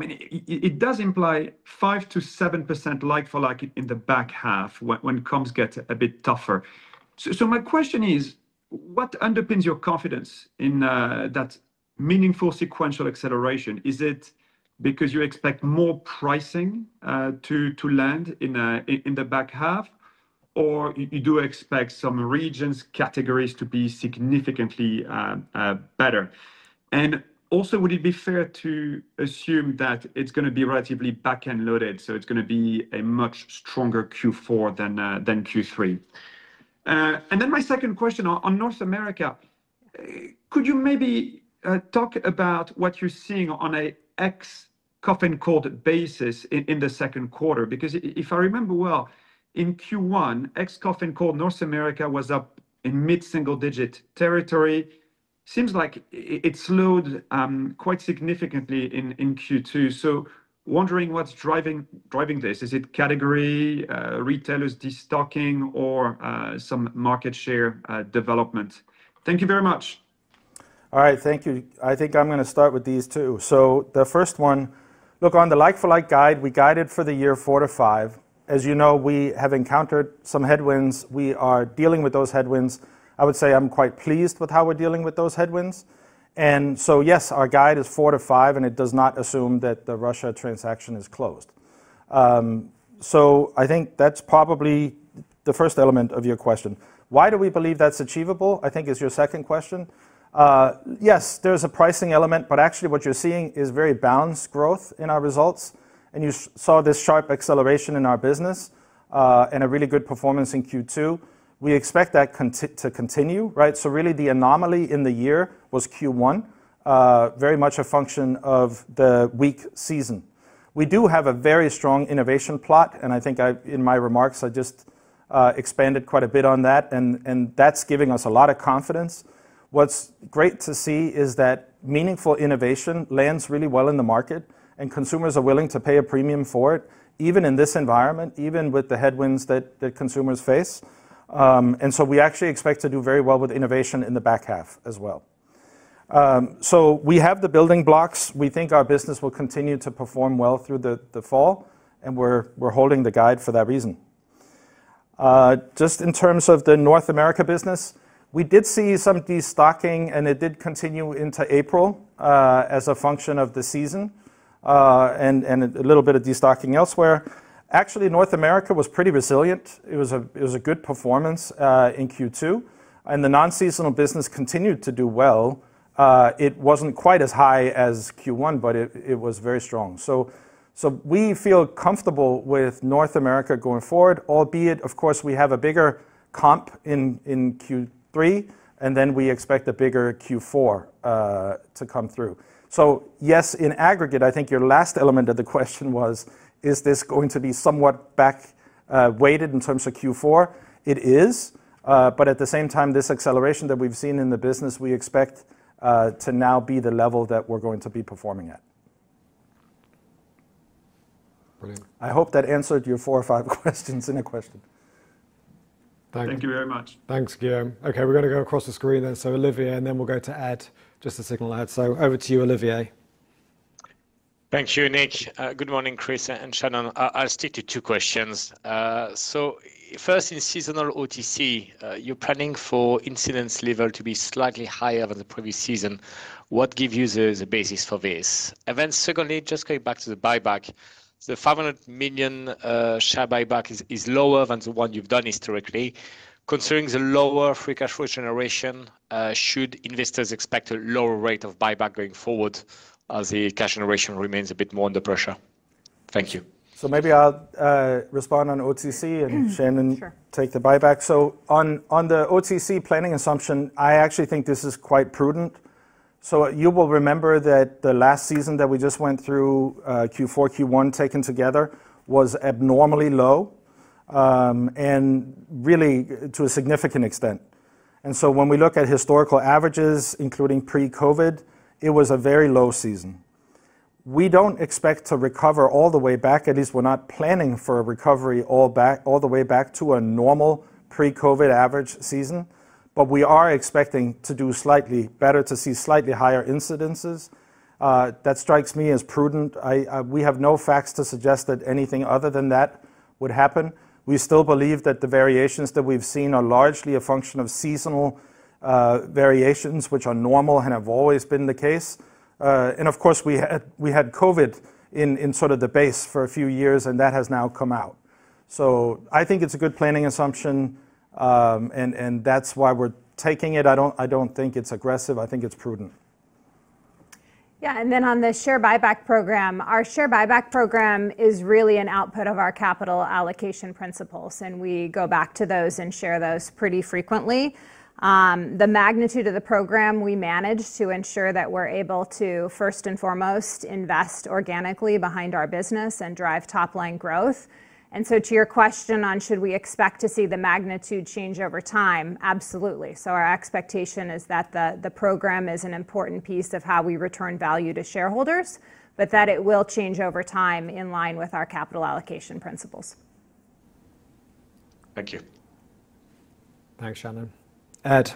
it does imply 5%-7% like for like in the back half when comps get a bit tougher. My question is, what underpins your confidence in that meaningful sequential acceleration? Is it because you expect more pricing to land in the back half, you do expect some regions, categories to be significantly better? Also, would it be fair to assume that it's going to be relatively back-end loaded, it's going to be a much stronger Q4 than Q3? My second question on North America, could you maybe talk about what you're seeing on a ex-cough and cold basis in the Q2? Because if I remember well, in Q1, ex-cough and cold North America was up in mid-single digit territory. Seems like it slowed quite significantly in Q2. Wondering what's driving this. Is it category, retailers destocking, or some market share development? Thank you very much. All right. Thank you. I think I'm going to start with these two. The first one, look, on the like-for-like guide, we guided for the year 4%-5%. As you know, we have encountered some headwinds. We are dealing with those headwinds. I would say I'm quite pleased with how we're dealing with those headwinds. Yes, our guide is 4%-5%, and it does not assume that the Russia transaction is closed. I think that's probably the first element of your question. Why do we believe that's achievable, I think is your second question. Yes, there is a pricing element, but actually what you're seeing is very balanced growth in our results, and you saw this sharp acceleration in our business, and a really good performance in Q2. We expect that to continue, right? Really the anomaly in the year was Q1, very much a function of the weak season. We do have a very strong innovation plot. I think in my remarks, I just expanded quite a bit on that, and that's giving us a lot of confidence. What's great to see is that meaningful innovation lands really well in the market, and consumers are willing to pay a premium for it, even in this environment, even with the headwinds that the consumers face. We actually expect to do very well with innovation in the back half as well. We have the building blocks. We think our business will continue to perform well through the fall, and we're holding the guide for that reason. Just in terms of the North America business, we did see some destocking, and it did continue into April, as a function of the season, and a little bit of destocking elsewhere. Actually, North America was pretty resilient. It was a good performance in Q2. The non-seasonal business continued to do well. It wasn't quite as high as Q1, but it was very strong. We feel comfortable with North America going forward, albeit of course, we have a bigger comp in Q3, and then we expect a bigger Q4 to come through. Yes, in aggregate, I think your last element of the question was, is this going to be somewhat back weighted in terms of Q4? It is. At the same time, this acceleration that we've seen in the business, we expect to now be the level that we're going to be performing at. Brilliant. I hope that answered your four or five questions in a question. Thanks. Thank you very much. Thanks, Guillaume. We're going to go across the screen then. Olivier, and then we'll go to Ed, just to signal Ed. Over to you, Olivier. Thank you, Nick. Good morning, Kris and Shannon. I'll stick to two questions. First, in seasonal OTC, you're planning for incidence level to be slightly higher than the previous season. What give you the basis for this? Secondly, just going back to the buyback. The 500 million share buyback is lower than the one you've done historically. Considering the lower free cash flow generation, should investors expect a lower rate of buyback going forward as the cash generation remains a bit more under pressure? Thank you. Maybe I'll respond on OTC. Sure. Shannon take the buyback. On the OTC planning assumption, I actually think this is quite prudent. You will remember that the last season that we just went through, Q4, Q1 taken together, was abnormally low, and really to a significant extent. When we look at historical averages, including pre-COVID, it was a very low season. We don't expect to recover all the way back, at least we're not planning for a recovery all the way back to a normal pre-COVID average season. We are expecting to do slightly better, to see slightly higher incidences. That strikes me as prudent. We have no facts to suggest that anything other than that would happen. We still believe that the variations that we've seen are largely a function of seasonal variations, which are normal and have always been the case. Of course, we had COVID in sort of the base for a few years, and that has now come out. I think it's a good planning assumption, and that's why we're taking it. I don't think it's aggressive. I think it's prudent. On the share buyback program, our share buyback program is really an output of our capital allocation principles, and we go back to those and share those pretty frequently. The magnitude of the program we manage to ensure that we're able to first and foremost invest organically behind our business and drive top-line growth. To your question on should we expect to see the magnitude change over time, absolutely. Our expectation is that the program is an important piece of how we return value to shareholders, but that it will change over time in line with our capital allocation principles. Thank you. Thanks, Shannon. Ed,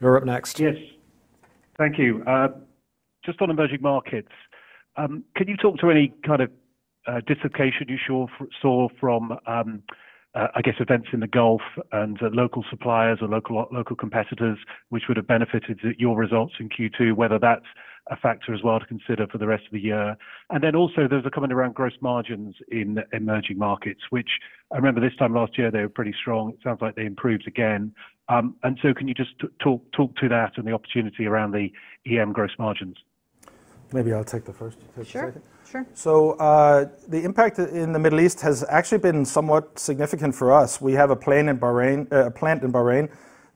you're up next. Yes. Thank you. Just on emerging markets, can you talk to any kind of dislocation you saw from, I guess, events in the Gulf and local suppliers or local competitors, which would have benefited your results in Q2, whether that's a factor as well to consider for the rest of the year? There's a comment around gross margins in emerging markets, which I remember this time last year, they were pretty strong. It sounds like they improved again. Can you just talk to that and the opportunity around the EM gross margins? Maybe I'll take the first- Sure. if that's okay. Sure. The impact in the Middle East has actually been somewhat significant for us. We have a plant in Bahrain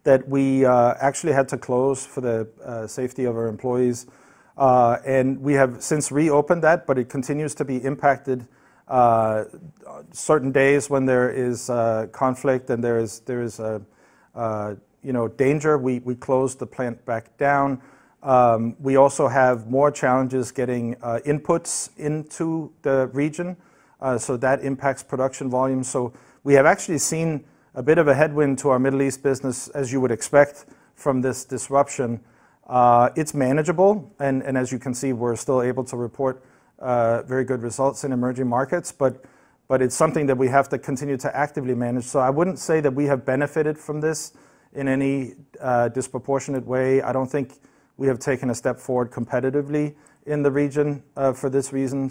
that we actually had to close for the safety of our employees. We have since reopened that, but it continues to be impacted. Certain days when there is conflict and there is danger, we close the plant back down. We also have more challenges getting inputs into the region. That impacts production volume. We have actually seen a bit of a headwind to our Middle East business, as you would expect from this disruption. It's manageable, and as you can see, we're still able to report very good results in emerging markets, but it's something that we have to continue to actively manage. I wouldn't say that we have benefited from this in any disproportionate way. I don't think we have taken a step forward competitively in the region for this reason.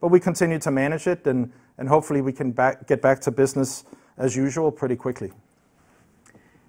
We continue to manage it, and hopefully, we can get back to business as usual pretty quickly.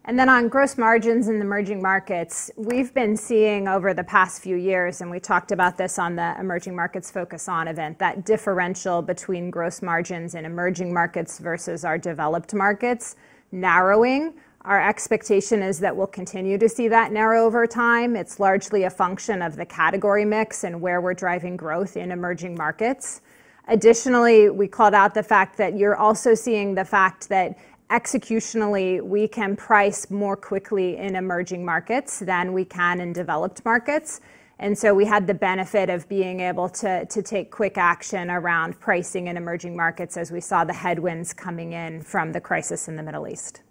On gross margins in emerging markets, we've been seeing over the past few years, and we talked about this on the Emerging Markets Focus On event, that differential between gross margins in emerging markets versus our developed markets narrowing. Our expectation is that we'll continue to see that narrow over time. It's largely a function of the category mix and where we're driving growth in emerging markets. Additionally, we called out the fact that you're also seeing the fact that executionally, we can price more quickly in emerging markets than we can in developed markets. We had the benefit of being able to take quick action around pricing in emerging markets as we saw the headwinds coming in from the crisis in the Middle East.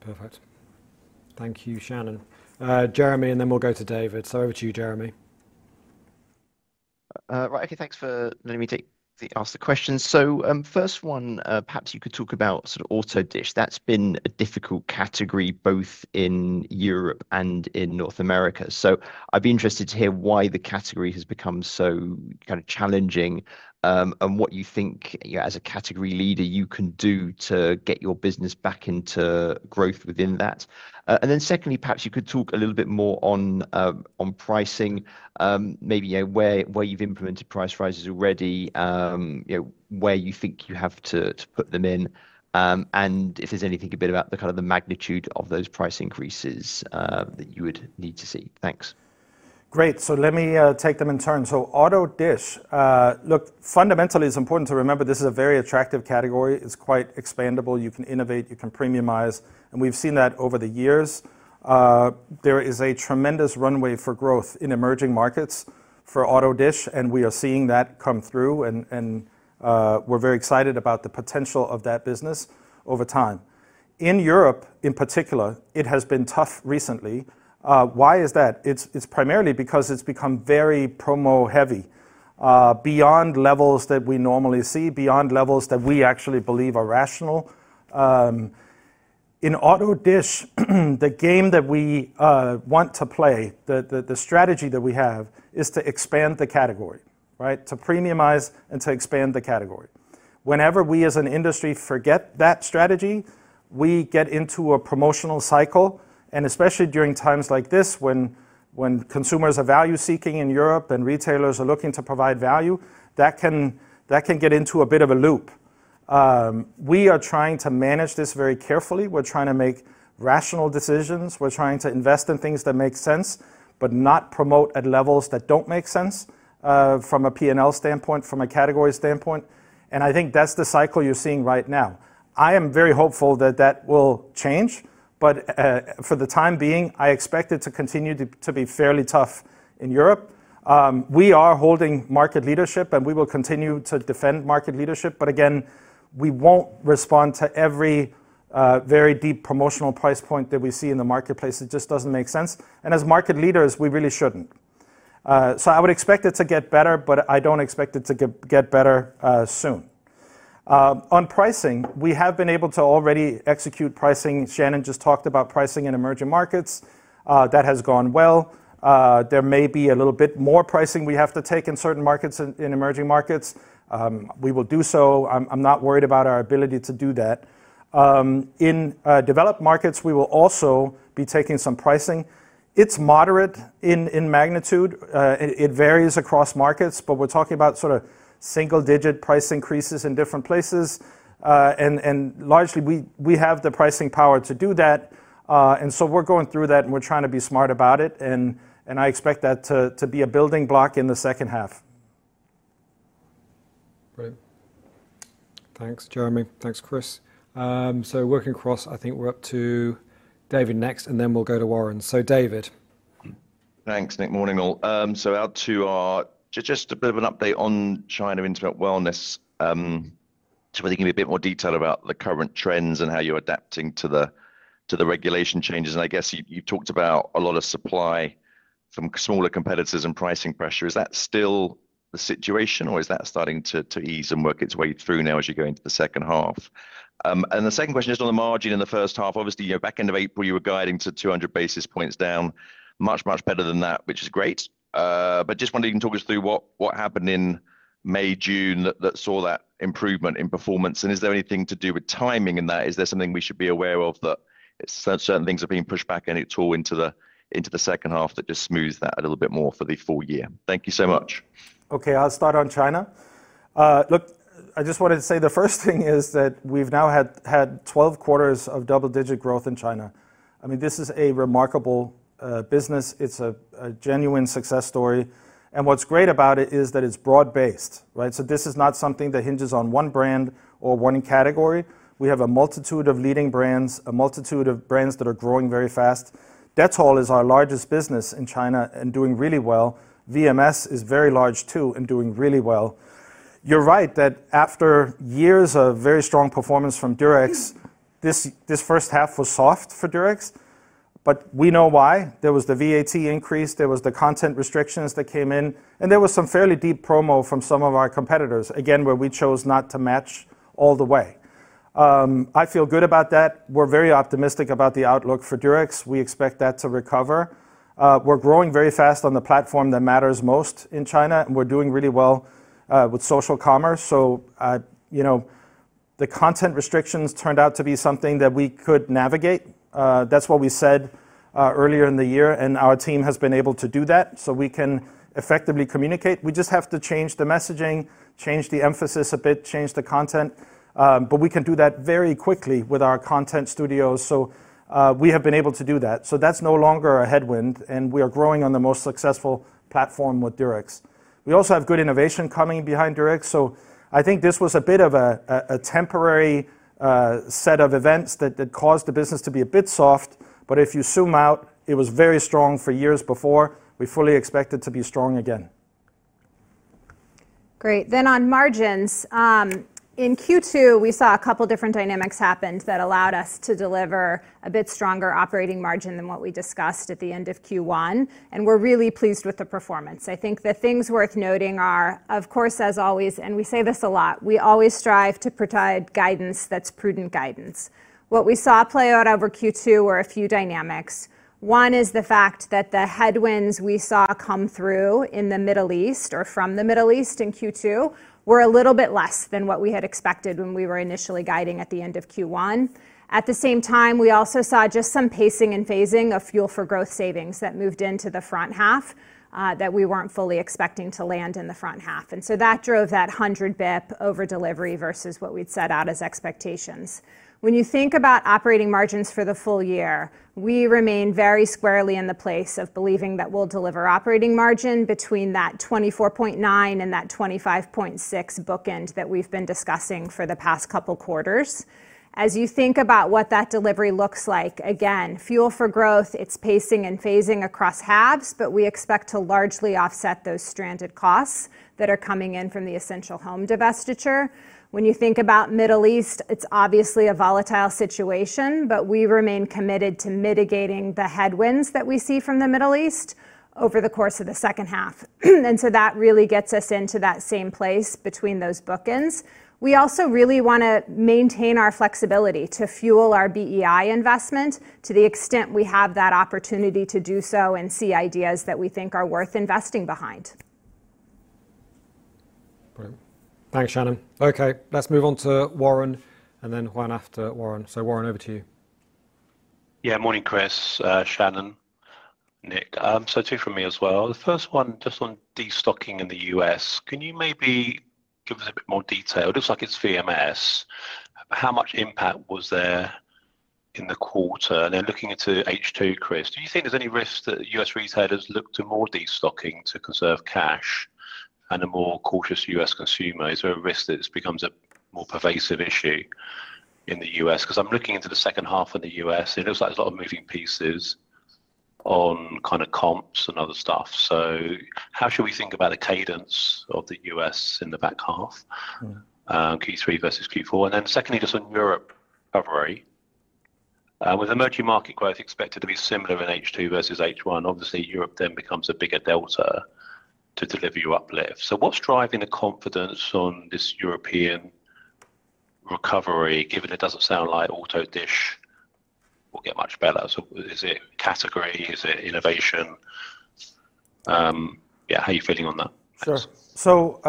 Perfect. Thank you, Shannon. Jeremy, and then we'll go to David. Over to you, Jeremy. Right, okay, thanks for letting me ask the question. First one, perhaps you could talk about sort of Auto Dish. That's been a difficult category both in Europe and in North America. I'd be interested to hear why the category has become so kind of challenging, and what you think, as a category leader, you can do to get your business back into growth within that. Secondly, perhaps you could talk a little bit more on pricing, maybe where you've implemented price rises already, where you think you have to put them in, and if there's anything a bit about the kind of the magnitude of those price increases that you would need to see. Thanks. Great. Let me take them in turn. Auto Dish. Look, fundamentally, it is important to remember this is a very attractive category. It is quite expandable. You can innovate, you can premiumize, and we have seen that over the years. There is a tremendous runway for growth in emerging markets for Auto Dish, and we are seeing that come through, and we are very excited about the potential of that business over time. In Europe in particular, it has been tough recently. Why is that? It is primarily because it has become very promo-heavy, beyond levels that we normally see, beyond levels that we actually believe are rational. In Auto Dish, the game that we want to play, the strategy that we have, is to expand the category. Right? To premiumize and to expand the category. Whenever we as an industry forget that strategy, we get into a promotional cycle, especially during times like this when consumers are value seeking in Europe and retailers are looking to provide value, that can get into a bit of a loop. We are trying to manage this very carefully. We are trying to make rational decisions. We are trying to invest in things that make sense, but not promote at levels that do not make sense, from a P&L standpoint, from a category standpoint, and I think that is the cycle you are seeing right now. I am very hopeful that that will change. For the time being, I expect it to continue to be fairly tough in Europe. We are holding market leadership, and we will continue to defend market leadership, but again, we will not respond to every very deep promotional price point that we see in the marketplace. It just does not make sense, and as market leaders, we really should not. I would expect it to get better, but I do not expect it to get better soon. On pricing, we have been able to already execute pricing. Shannon just talked about pricing in emerging markets. That has gone well. There may be a little bit more pricing we have to take in certain markets, in emerging markets. We will do so. I am not worried about our ability to do that. In developed markets, we will also be taking some pricing. It is moderate in magnitude. It varies across markets, but we are talking about sort of single-digit price increases in different places. Largely, we have the pricing power to do that. We are going through that, and we are trying to be smart about it, and I expect that to be a building block in the second half. Great. Thanks, Jeremy. Thanks, Kris. Working across, I think we are up to David next, and then we will go to Warren. David. Thanks, Nick. Morning, all. Just a bit of an update on China Intimate Wellness, just wondering if you can give me a bit more detail about the current trends and how you're adapting to the regulation changes, I guess you talked about a lot of supply from smaller competitors and pricing pressure. Is that still the situation, or is that starting to ease and work its way through now as you go into the second half? The second question is on the margin in the first half. Obviously, back end of April you were guiding to 200 basis points down, much, much better than that, which is great. Just wondering if you can talk us through what happened in May, June that saw that improvement in performance, and is there anything to do with timing in that? Is there something we should be aware of that certain things are being pushed back any at all into the second half that just smooths that a little bit more for the full year? Thank you so much. Okay, I'll start on China. Look, I just wanted to say the first thing is that we've now had 12 quarters of double-digit growth in China. I mean, this is a remarkable business. It's a genuine success story, what's great about it is that it's broad based. Right? This is not something that hinges on one brand or one category. We have a multitude of leading brands, a multitude of brands that are growing very fast. Dettol is our largest business in China and doing really well. VMS is very large, too, and doing really well. You're right that after years of very strong performance from Durex, this first half was soft for Durex, we know why. There was the VAT increase, there was the content restrictions that came in, there was some fairly deep promo from some of our competitors, again, where we chose not to match all the way. I feel good about that. We're very optimistic about the outlook for Durex. We expect that to recover. We're growing very fast on the platform that matters most in China, we're doing really well with social commerce. The content restrictions turned out to be something that we could navigate. That's what we said earlier in the year, our team has been able to do that so we can effectively communicate. We just have to change the messaging, change the emphasis a bit, change the content. We can do that very quickly with our content studios. We have been able to do that. That's no longer a headwind. We are growing on the most successful platform with Durex. We also have good innovation coming behind Durex. I think this was a bit of a temporary set of events that caused the business to be a bit soft, but if you zoom out, it was very strong for years before. We fully expect it to be strong again. Great. On margins. In Q2, we saw a couple different dynamics happened that allowed us to deliver a bit stronger operating margin than what we discussed at the end of Q1. We're really pleased with the performance. I think the things worth noting are, of course, as always. We say this a lot. We always strive to provide guidance that's prudent guidance. What we saw play out over Q2 were a few dynamics. One is the fact that the headwinds we saw come through in the Middle East or from the Middle East in Q2 were a little bit less than what we had expected when we were initially guiding at the end of Q1. At the same time, we also saw just some pacing and phasing of Fuel for Growth savings that moved into the front half, that we weren't fully expecting to land in the front half. That drove that 100 pip over delivery versus what we'd set out as expectations. When you think about operating margins for the full year, we remain very squarely in the place of believing that we'll deliver operating margin between that 24.9% and that 25.6% bookend that we've been discussing for the past couple quarters. As you think about what that delivery looks like, again, Fuel for Growth, it's pacing and phasing across halves, but we expect to largely offset those stranded costs that are coming in from the Essential Home divestiture. When you think about Middle East, it's obviously a volatile situation, but we remain committed to mitigating the headwinds that we see from the Middle East over the course of the second half. That really gets us into that same place between those bookends. We also really want to maintain our flexibility to fuel our BEI investment to the extent we have that opportunity to do so and see ideas that we think are worth investing behind. Great. Thanks, Shannon. Okay, let's move on to Warren, and then Juan after Warren. Warren, over to you. Morning, Kris, Shannon, Nick. Two from me as well. The first one, just on destocking in the U.S. Can you maybe give us a bit more detail? It looks like it's VMS. How much impact was there in the quarter? Looking into H2, Kris, do you think there's any risk that U.S. retailers look to more destocking to conserve cash and a more cautious U.S. consumer? Is there a risk that this becomes a more pervasive issue in the U.S.? I'm looking into the second half of the U.S., it looks like there's a lot of moving pieces on comps and other stuff. How should we think about a cadence of the U.S. in the back half, Q3 versus Q4? Secondly, just on Europe recovery. With emerging market growth expected to be similar in H2 versus H1, obviously Europe then becomes a bigger delta to deliver your uplift. What's driving the confidence on this European recovery, given it doesn't sound like Auto Dish will get much better? Is it category? Is it innovation? How are you feeling on that? Sure.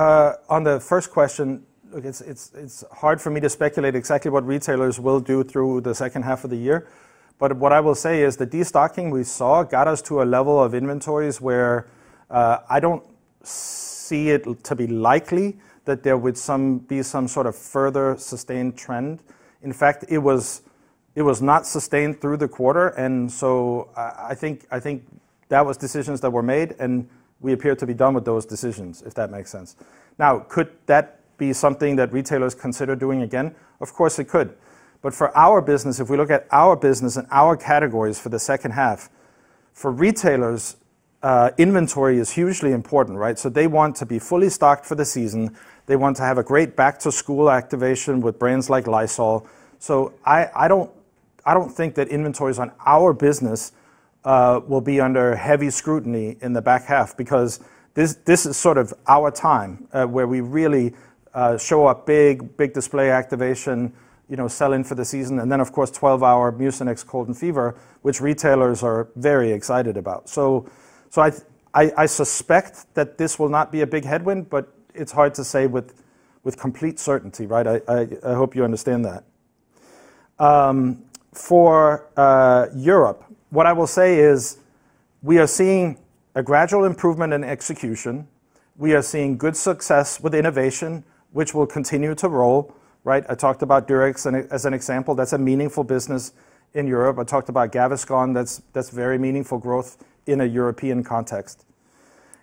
On the first question, look, it's hard for me to speculate exactly what retailers will do through the second half of the year. What I will say is the destocking we saw got us to a level of inventories where, I don't see it to be likely that there would be some sort of further sustained trend. In fact, it was not sustained through the quarter, I think that was decisions that were made, and we appear to be done with those decisions, if that makes sense. Could that be something that retailers consider doing again? Of course it could. For our business, if we look at our business and our categories for the second half, for retailers, inventory is hugely important, right? They want to be fully stocked for the season. They want to have a great back-to-school activation with brands like Lysol. I don't think that inventories on our business will be under heavy scrutiny in the back half because this is sort of our time, where we really show up big display activation, sell in for the season, and then, of course, 12-hour Mucinex Cold and Fever, which retailers are very excited about. I suspect that this will not be a big headwind, but it's hard to say with complete certainty, right? I hope you understand that. For Europe, what I will say is we are seeing a gradual improvement in execution. We are seeing good success with innovation, which will continue to roll, right? I talked about Durex as an example. That's a meaningful business in Europe. I talked about Gaviscon. That's very meaningful growth in a European context.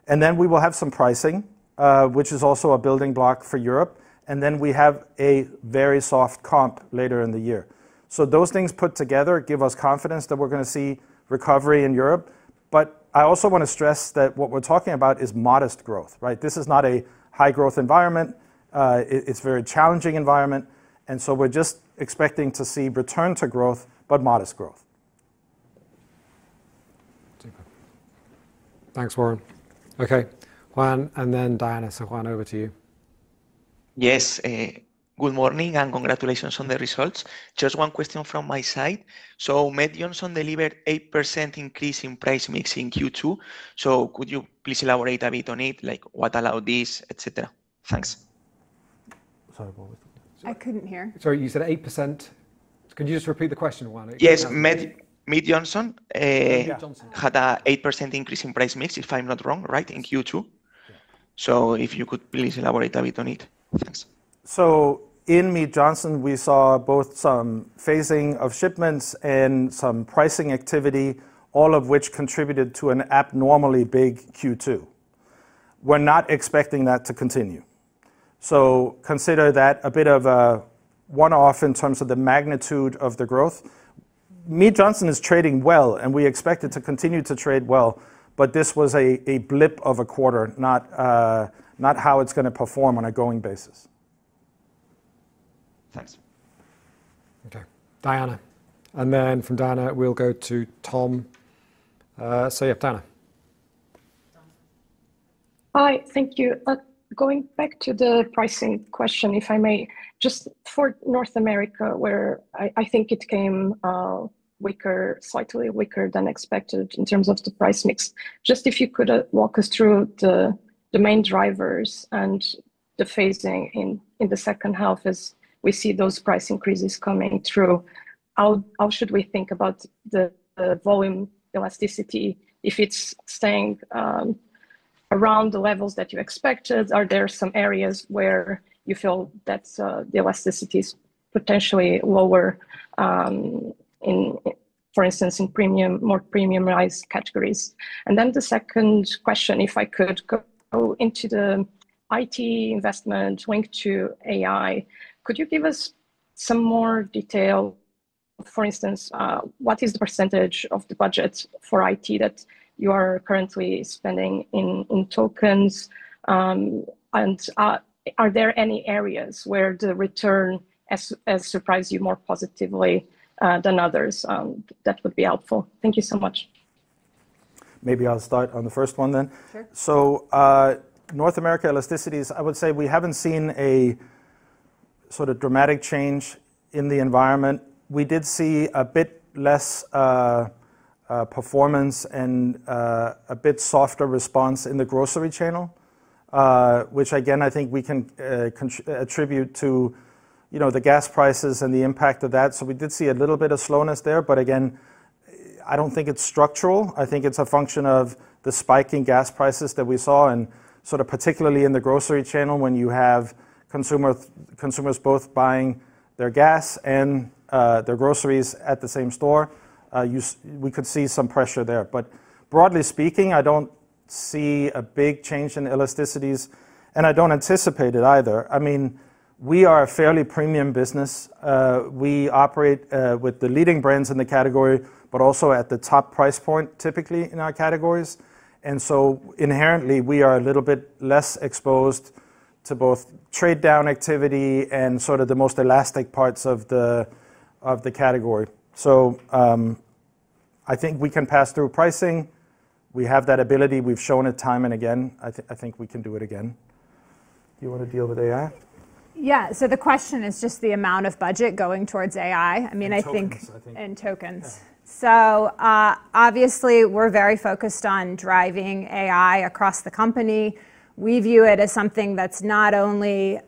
We will have some pricing, which is also a building block for Europe, and then we have a very soft comp later in the year. Those things put together give us confidence that we're going to see recovery in Europe. I also want to stress that what we're talking about is modest growth, right? This is not a high growth environment. It's a very challenging environment, we're just expecting to see return to growth, but modest growth. Super. Thanks, Warren. Okay, Juan, and then Diana. Juan, over to you. Yes. Good morning, and congratulations on the results. Just one question from my side. Mead Johnson delivered 8% increase in price mix in Q2. Could you please elaborate a bit on it, like what allowed this, et cetera? Thanks. Sorry, what was the question? I couldn't hear. Sorry, you said 8%. Could you just repeat the question, Juan? Yes. Mead Johnson- Yeah had an 8% increase in price mix, if I'm not wrong, right, in Q2? Yeah. If you could please elaborate a bit on it. Thanks. In Mead Johnson, we saw both some phasing of shipments and some pricing activity, all of which contributed to an abnormally big Q2. We're not expecting that to continue. Consider that a bit of a one-off in terms of the magnitude of the growth. Mead Johnson is trading well and we expect it to continue to trade well, but this was a blip of a quarter, not how it's going to perform on a going basis. Thanks. Okay. Diana, then from Diana, we'll go to Tom. Yeah, Diana. Hi. Thank you. Going back to the pricing question, if I may, just for North America, where I think it came weaker, slightly weaker than expected in terms of the price mix. If you could walk us through the main drivers and the phasing in the second half as we see those price increases coming through. How should we think about the volume elasticity? If it's staying around the levels that you expected, are there some areas where you feel that the elasticity is potentially lower, for instance, in more premiumized categories? The second question, if I could go into the IT investment linked to AI, could you give us some more detail? For instance, what is the percentage of the budget for IT that you are currently spending in tokens? Are there any areas where the return has surprised you more positively than others? That would be helpful. Thank you so much. Maybe I'll start on the first one. Sure. North America elasticities, I would say we haven't seen a sort of dramatic change in the environment. We did see a bit less performance and a bit softer response in the grocery channel, which again, I think we can attribute to the gas prices and the impact of that. We did see a little bit of slowness there, but again, I don't think it's structural. I think it's a function of the spike in gas prices that we saw, particularly in the grocery channel, when you have consumers both buying their gas and their groceries at the same store, we could see some pressure there. Broadly speaking, I don't see a big change in elasticities, and I don't anticipate it either. We are a fairly premium business. We operate with the leading brands in the category, but also at the top price point, typically in our categories. Inherently, we are a little bit less exposed to both trade down activity and sort of the most elastic parts of the category. I think we can pass through pricing. We have that ability. We’ve shown it time and again. I think we can do it again. Do you want to deal with AI? Yeah. The question is just the amount of budget going towards AI. Tokens, I think Tokens. Yeah. Obviously, we're very focused on driving AI across the company. We view it as something that's not only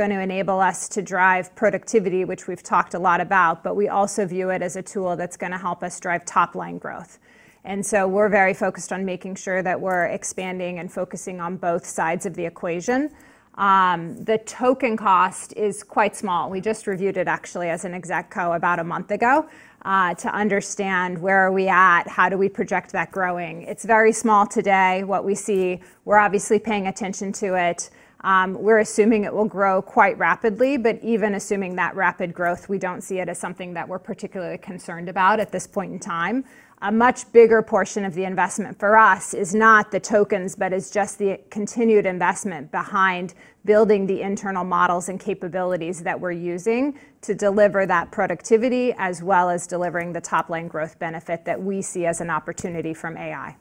going to enable us to drive productivity, which we've talked a lot about, but we also view it as a tool that's going to help us drive top-line growth. We're very focused on making sure that we're expanding and focusing on both sides of the equation. The token cost is quite small. We just reviewed it actually as an Exec Co about a month ago, to understand where are we at? How do we project that growing? It's very small today. What we see, we're obviously paying attention to it. We're assuming it will grow quite rapidly, but even assuming that rapid growth, we don't see it as something that we're particularly concerned about at this point in time. A much bigger portion of the investment for us is not the tokens, but is just the continued investment behind building the internal models and capabilities that we're using to deliver that productivity, as well as delivering the top-line growth benefit that we see as an opportunity from AI.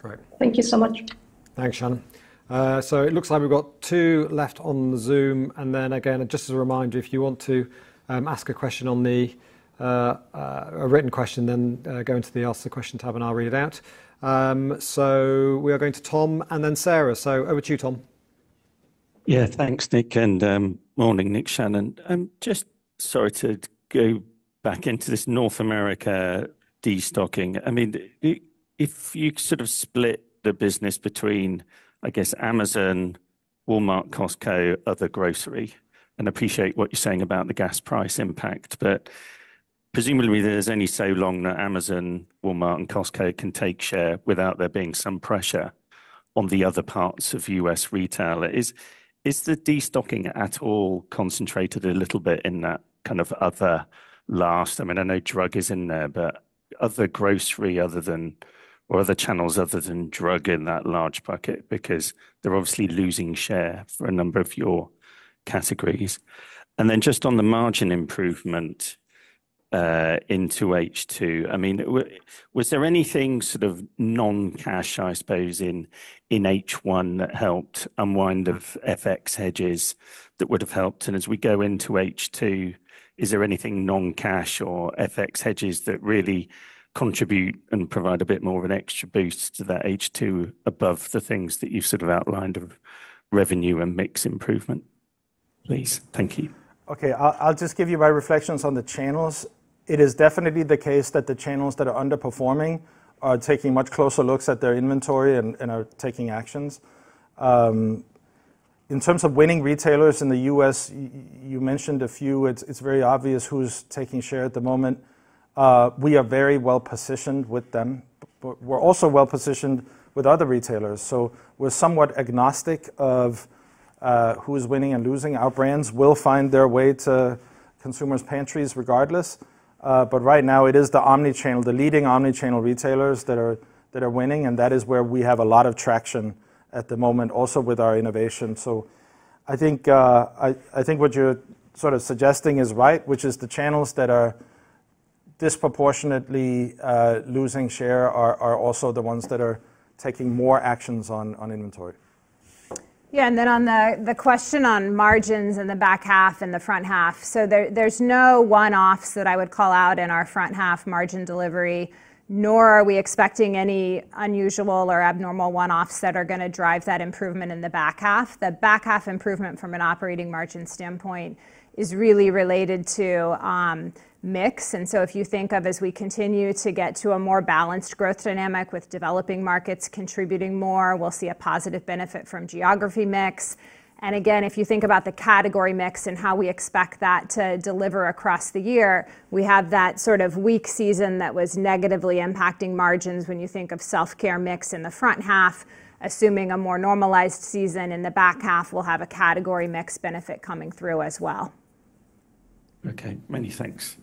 Great. Thank you so much. Thanks, Shannon. It looks like we've got two left on Zoom, and then again, just as a reminder, if you want to ask a question on the, a written question, then go into the Ask the Question tab, I'll read it out. We are going to Tom and then Sarah. Over to you, Tom. Yeah. Thanks, Nick. Morning Nick, Shannon. Sorry to go back into this North America destocking. If you sort of split the business between, I guess Amazon, Walmart, Costco, other grocery, appreciate what you're saying about the gas price impact, presumably there's only so long that Amazon, Walmart, and Costco can take share without there being some pressure on the other parts of U.S. retail. Is the destocking at all concentrated a little bit in that kind of other last, I know drug is in there, but other grocery other than, or other channels other than drug in that large bucket? They're obviously losing share for a number of your categories. Then just on the margin improvement into H2, was there anything sort of non-cash, I suppose, in H1 that helped unwind the FX hedges that would've helped? As we go into H2, is there anything non-cash or FX hedges that really contribute and provide a bit more of an extra boost to that H2 above the things that you've sort of outlined of revenue and mix improvement? Please. Thank you. Okay. I'll just give you my reflections on the channels. It is definitely the case that the channels that are underperforming are taking much closer looks at their inventory and are taking actions. In terms of winning retailers in the U.S., you mentioned a few. It's very obvious who's taking share at the moment. We are very well-positioned with them, we're also well-positioned with other retailers. We're somewhat agnostic of who's winning and losing. Our brands will find their way to consumers' pantries regardless. Right now it is the leading omni-channel retailers that are winning, that is where we have a lot of traction at the moment, also with our innovation. I think what you're sort of suggesting is right, which is the channels that are disproportionately losing share are also the ones that are taking more actions on inventory. On the question on margins in the back half and the front half, there's no one-offs that I would call out in our front-half margin delivery, nor are we expecting any unusual or abnormal one-offs that are going to drive that improvement in the back half. The back-half improvement from an operating margin standpoint is really related to mix. If you think of as we continue to get to a more balanced growth dynamic with developing markets contributing more, we'll see a positive benefit from geography mix. If you think about the category mix and how we expect that to deliver across the year, we have that sort of weak season that was negatively impacting margins when you think of Self Care mix in the front half. Assuming a more normalized season in the back half, we'll have a category mix benefit coming through as well. Okay, many thanks.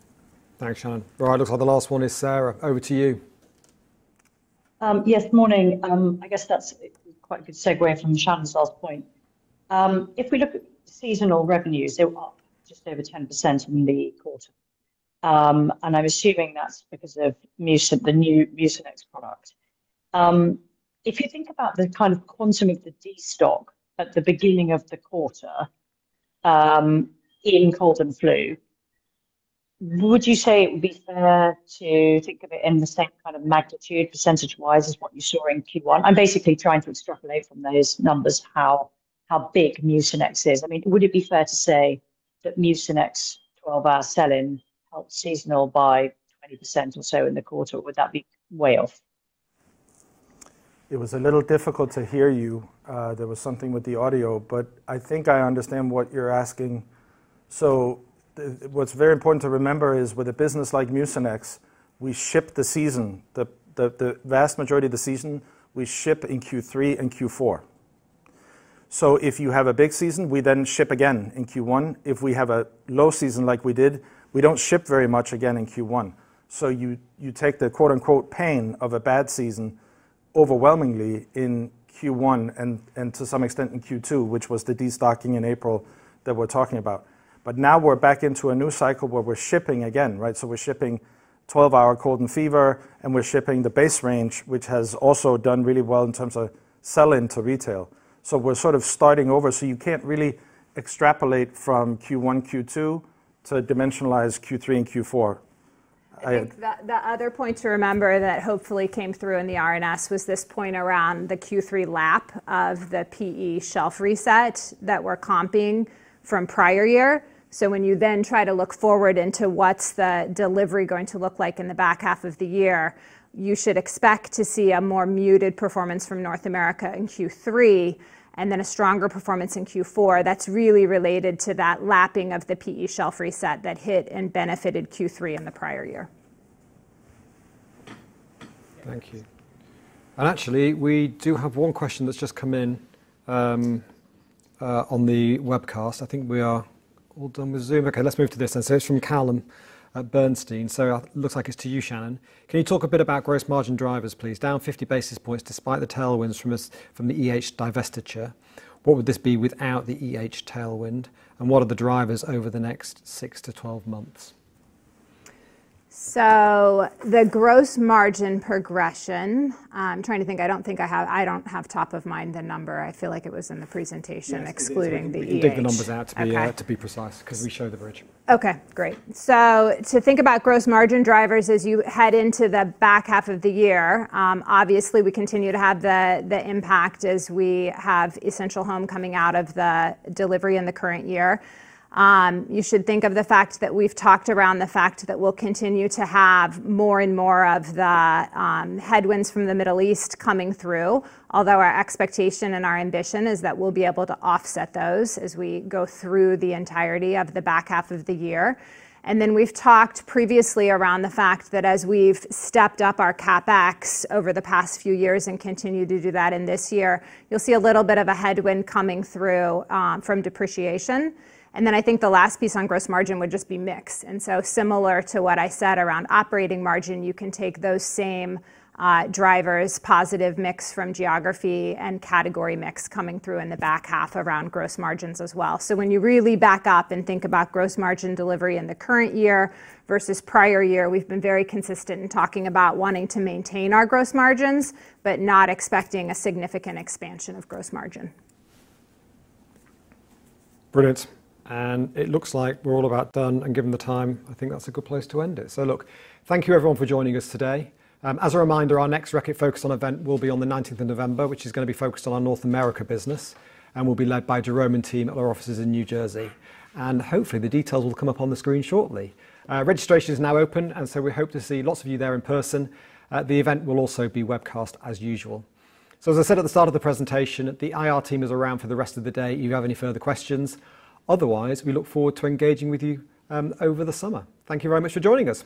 Thanks, Shannon. Looks like the last one is Sarah. Over to you. Yes. Morning. I guess that's quite a good segue from Shannon's last point. If we look at seasonal revenues, they're up just over 10% from the quarter, and I'm assuming that's because of the new Mucinex product. If you think about the kind of quantum of the destock at the beginning of the quarter, in cold and flu, would you say it would be fair to think of it in the same kind of magnitude percentage-wise as what you saw in Q1? I'm basically trying to extrapolate from those numbers how big Mucinex is. Would it be fair to say that Mucinex 12 Hour selling helped seasonal by 20% or so in the quarter? Would that be way off? It was a little difficult to hear you. There was something with the audio, but I think I understand what you're asking. What's very important to remember is with a business like Mucinex, we ship the season. The vast majority of the season, we ship in Q3 and Q4. If you have a big season, we then ship again in Q1. If we have a low season like we did, we don't ship very much again in Q1. You take the quote-unquote, "pain" of a bad season overwhelmingly in Q1 and to some extent in Q2, which was the destocking in April that we're talking about. Now we're back into a new cycle where we're shipping again, right? We're shipping 12 Hour Cold & Fever, and we're shipping the base range, which has also done really well in terms of sell into retail. We're sort of starting over. You can't really extrapolate from Q1, Q2 to dimensionalize Q3 and Q4. I think the other point to remember that hopefully came through in the R&S was this point around the Q3 lap of the PE shelf reset that we're comping from prior year. When you then try to look forward into what's the delivery going to look like in the back half of the year, you should expect to see a more muted performance from North America in Q3, and then a stronger performance in Q4 that's really related to that lapping of the PE shelf reset that hit and benefited Q3 in the prior year. Thank you. Actually, we do have one question that's just come in on the webcast. I think we are all done with Zoom. Okay, let's move to this then. It's from Callum at Bernstein. Looks like it's to you, Shannon. Can you talk a bit about gross margin drivers, please? Down 50 basis points despite the tailwinds from the EH divestiture. What would this be without the EH tailwind, and what are the drivers over the next 6-12 months? The gross margin progression, I'm trying to think. I don't have top of mind the number. I feel like it was in the presentation excluding the EH. Yes, it is. We did the numbers out to be precise because we show the bridge. Okay, great. To think about gross margin drivers as you head into the back half of the year, obviously, we continue to have the impact as we have Essential Home coming out of the delivery in the current year. You should think of the fact that we've talked around the fact that we'll continue to have more and more of the headwinds from the Middle East coming through. Although our expectation and our ambition is that we'll be able to offset those as we go through the entirety of the back half of the year. We've talked previously around the fact that as we've stepped up our CapEx over the past few years and continue to do that in this year, you'll see a little bit of a headwind coming through from depreciation. I think the last piece on gross margin would just be mix. Similar to what I said around operating margin, you can take those same drivers, positive mix from geography and category mix coming through in the back half around gross margins as well. When you really back up and think about gross margin delivery in the current year versus prior year, we've been very consistent in talking about wanting to maintain our gross margins, but not expecting a significant expansion of gross margin. Brilliant. It looks like we're all about done, given the time, I think that's a good place to end it. Look, thank you everyone for joining us today. As a reminder, our next Reckitt Focus on event will be on the 19th of November, which is going to be focused on our North America business and will be led by Jérôme and team at our offices in New Jersey. Hopefully, the details will come up on the screen shortly. Registration is now open, we hope to see lots of you there in person. The event will also be webcast as usual. As I said at the start of the presentation, the IR team is around for the rest of the day if you have any further questions. Otherwise, we look forward to engaging with you over the summer. Thank you very much for joining us.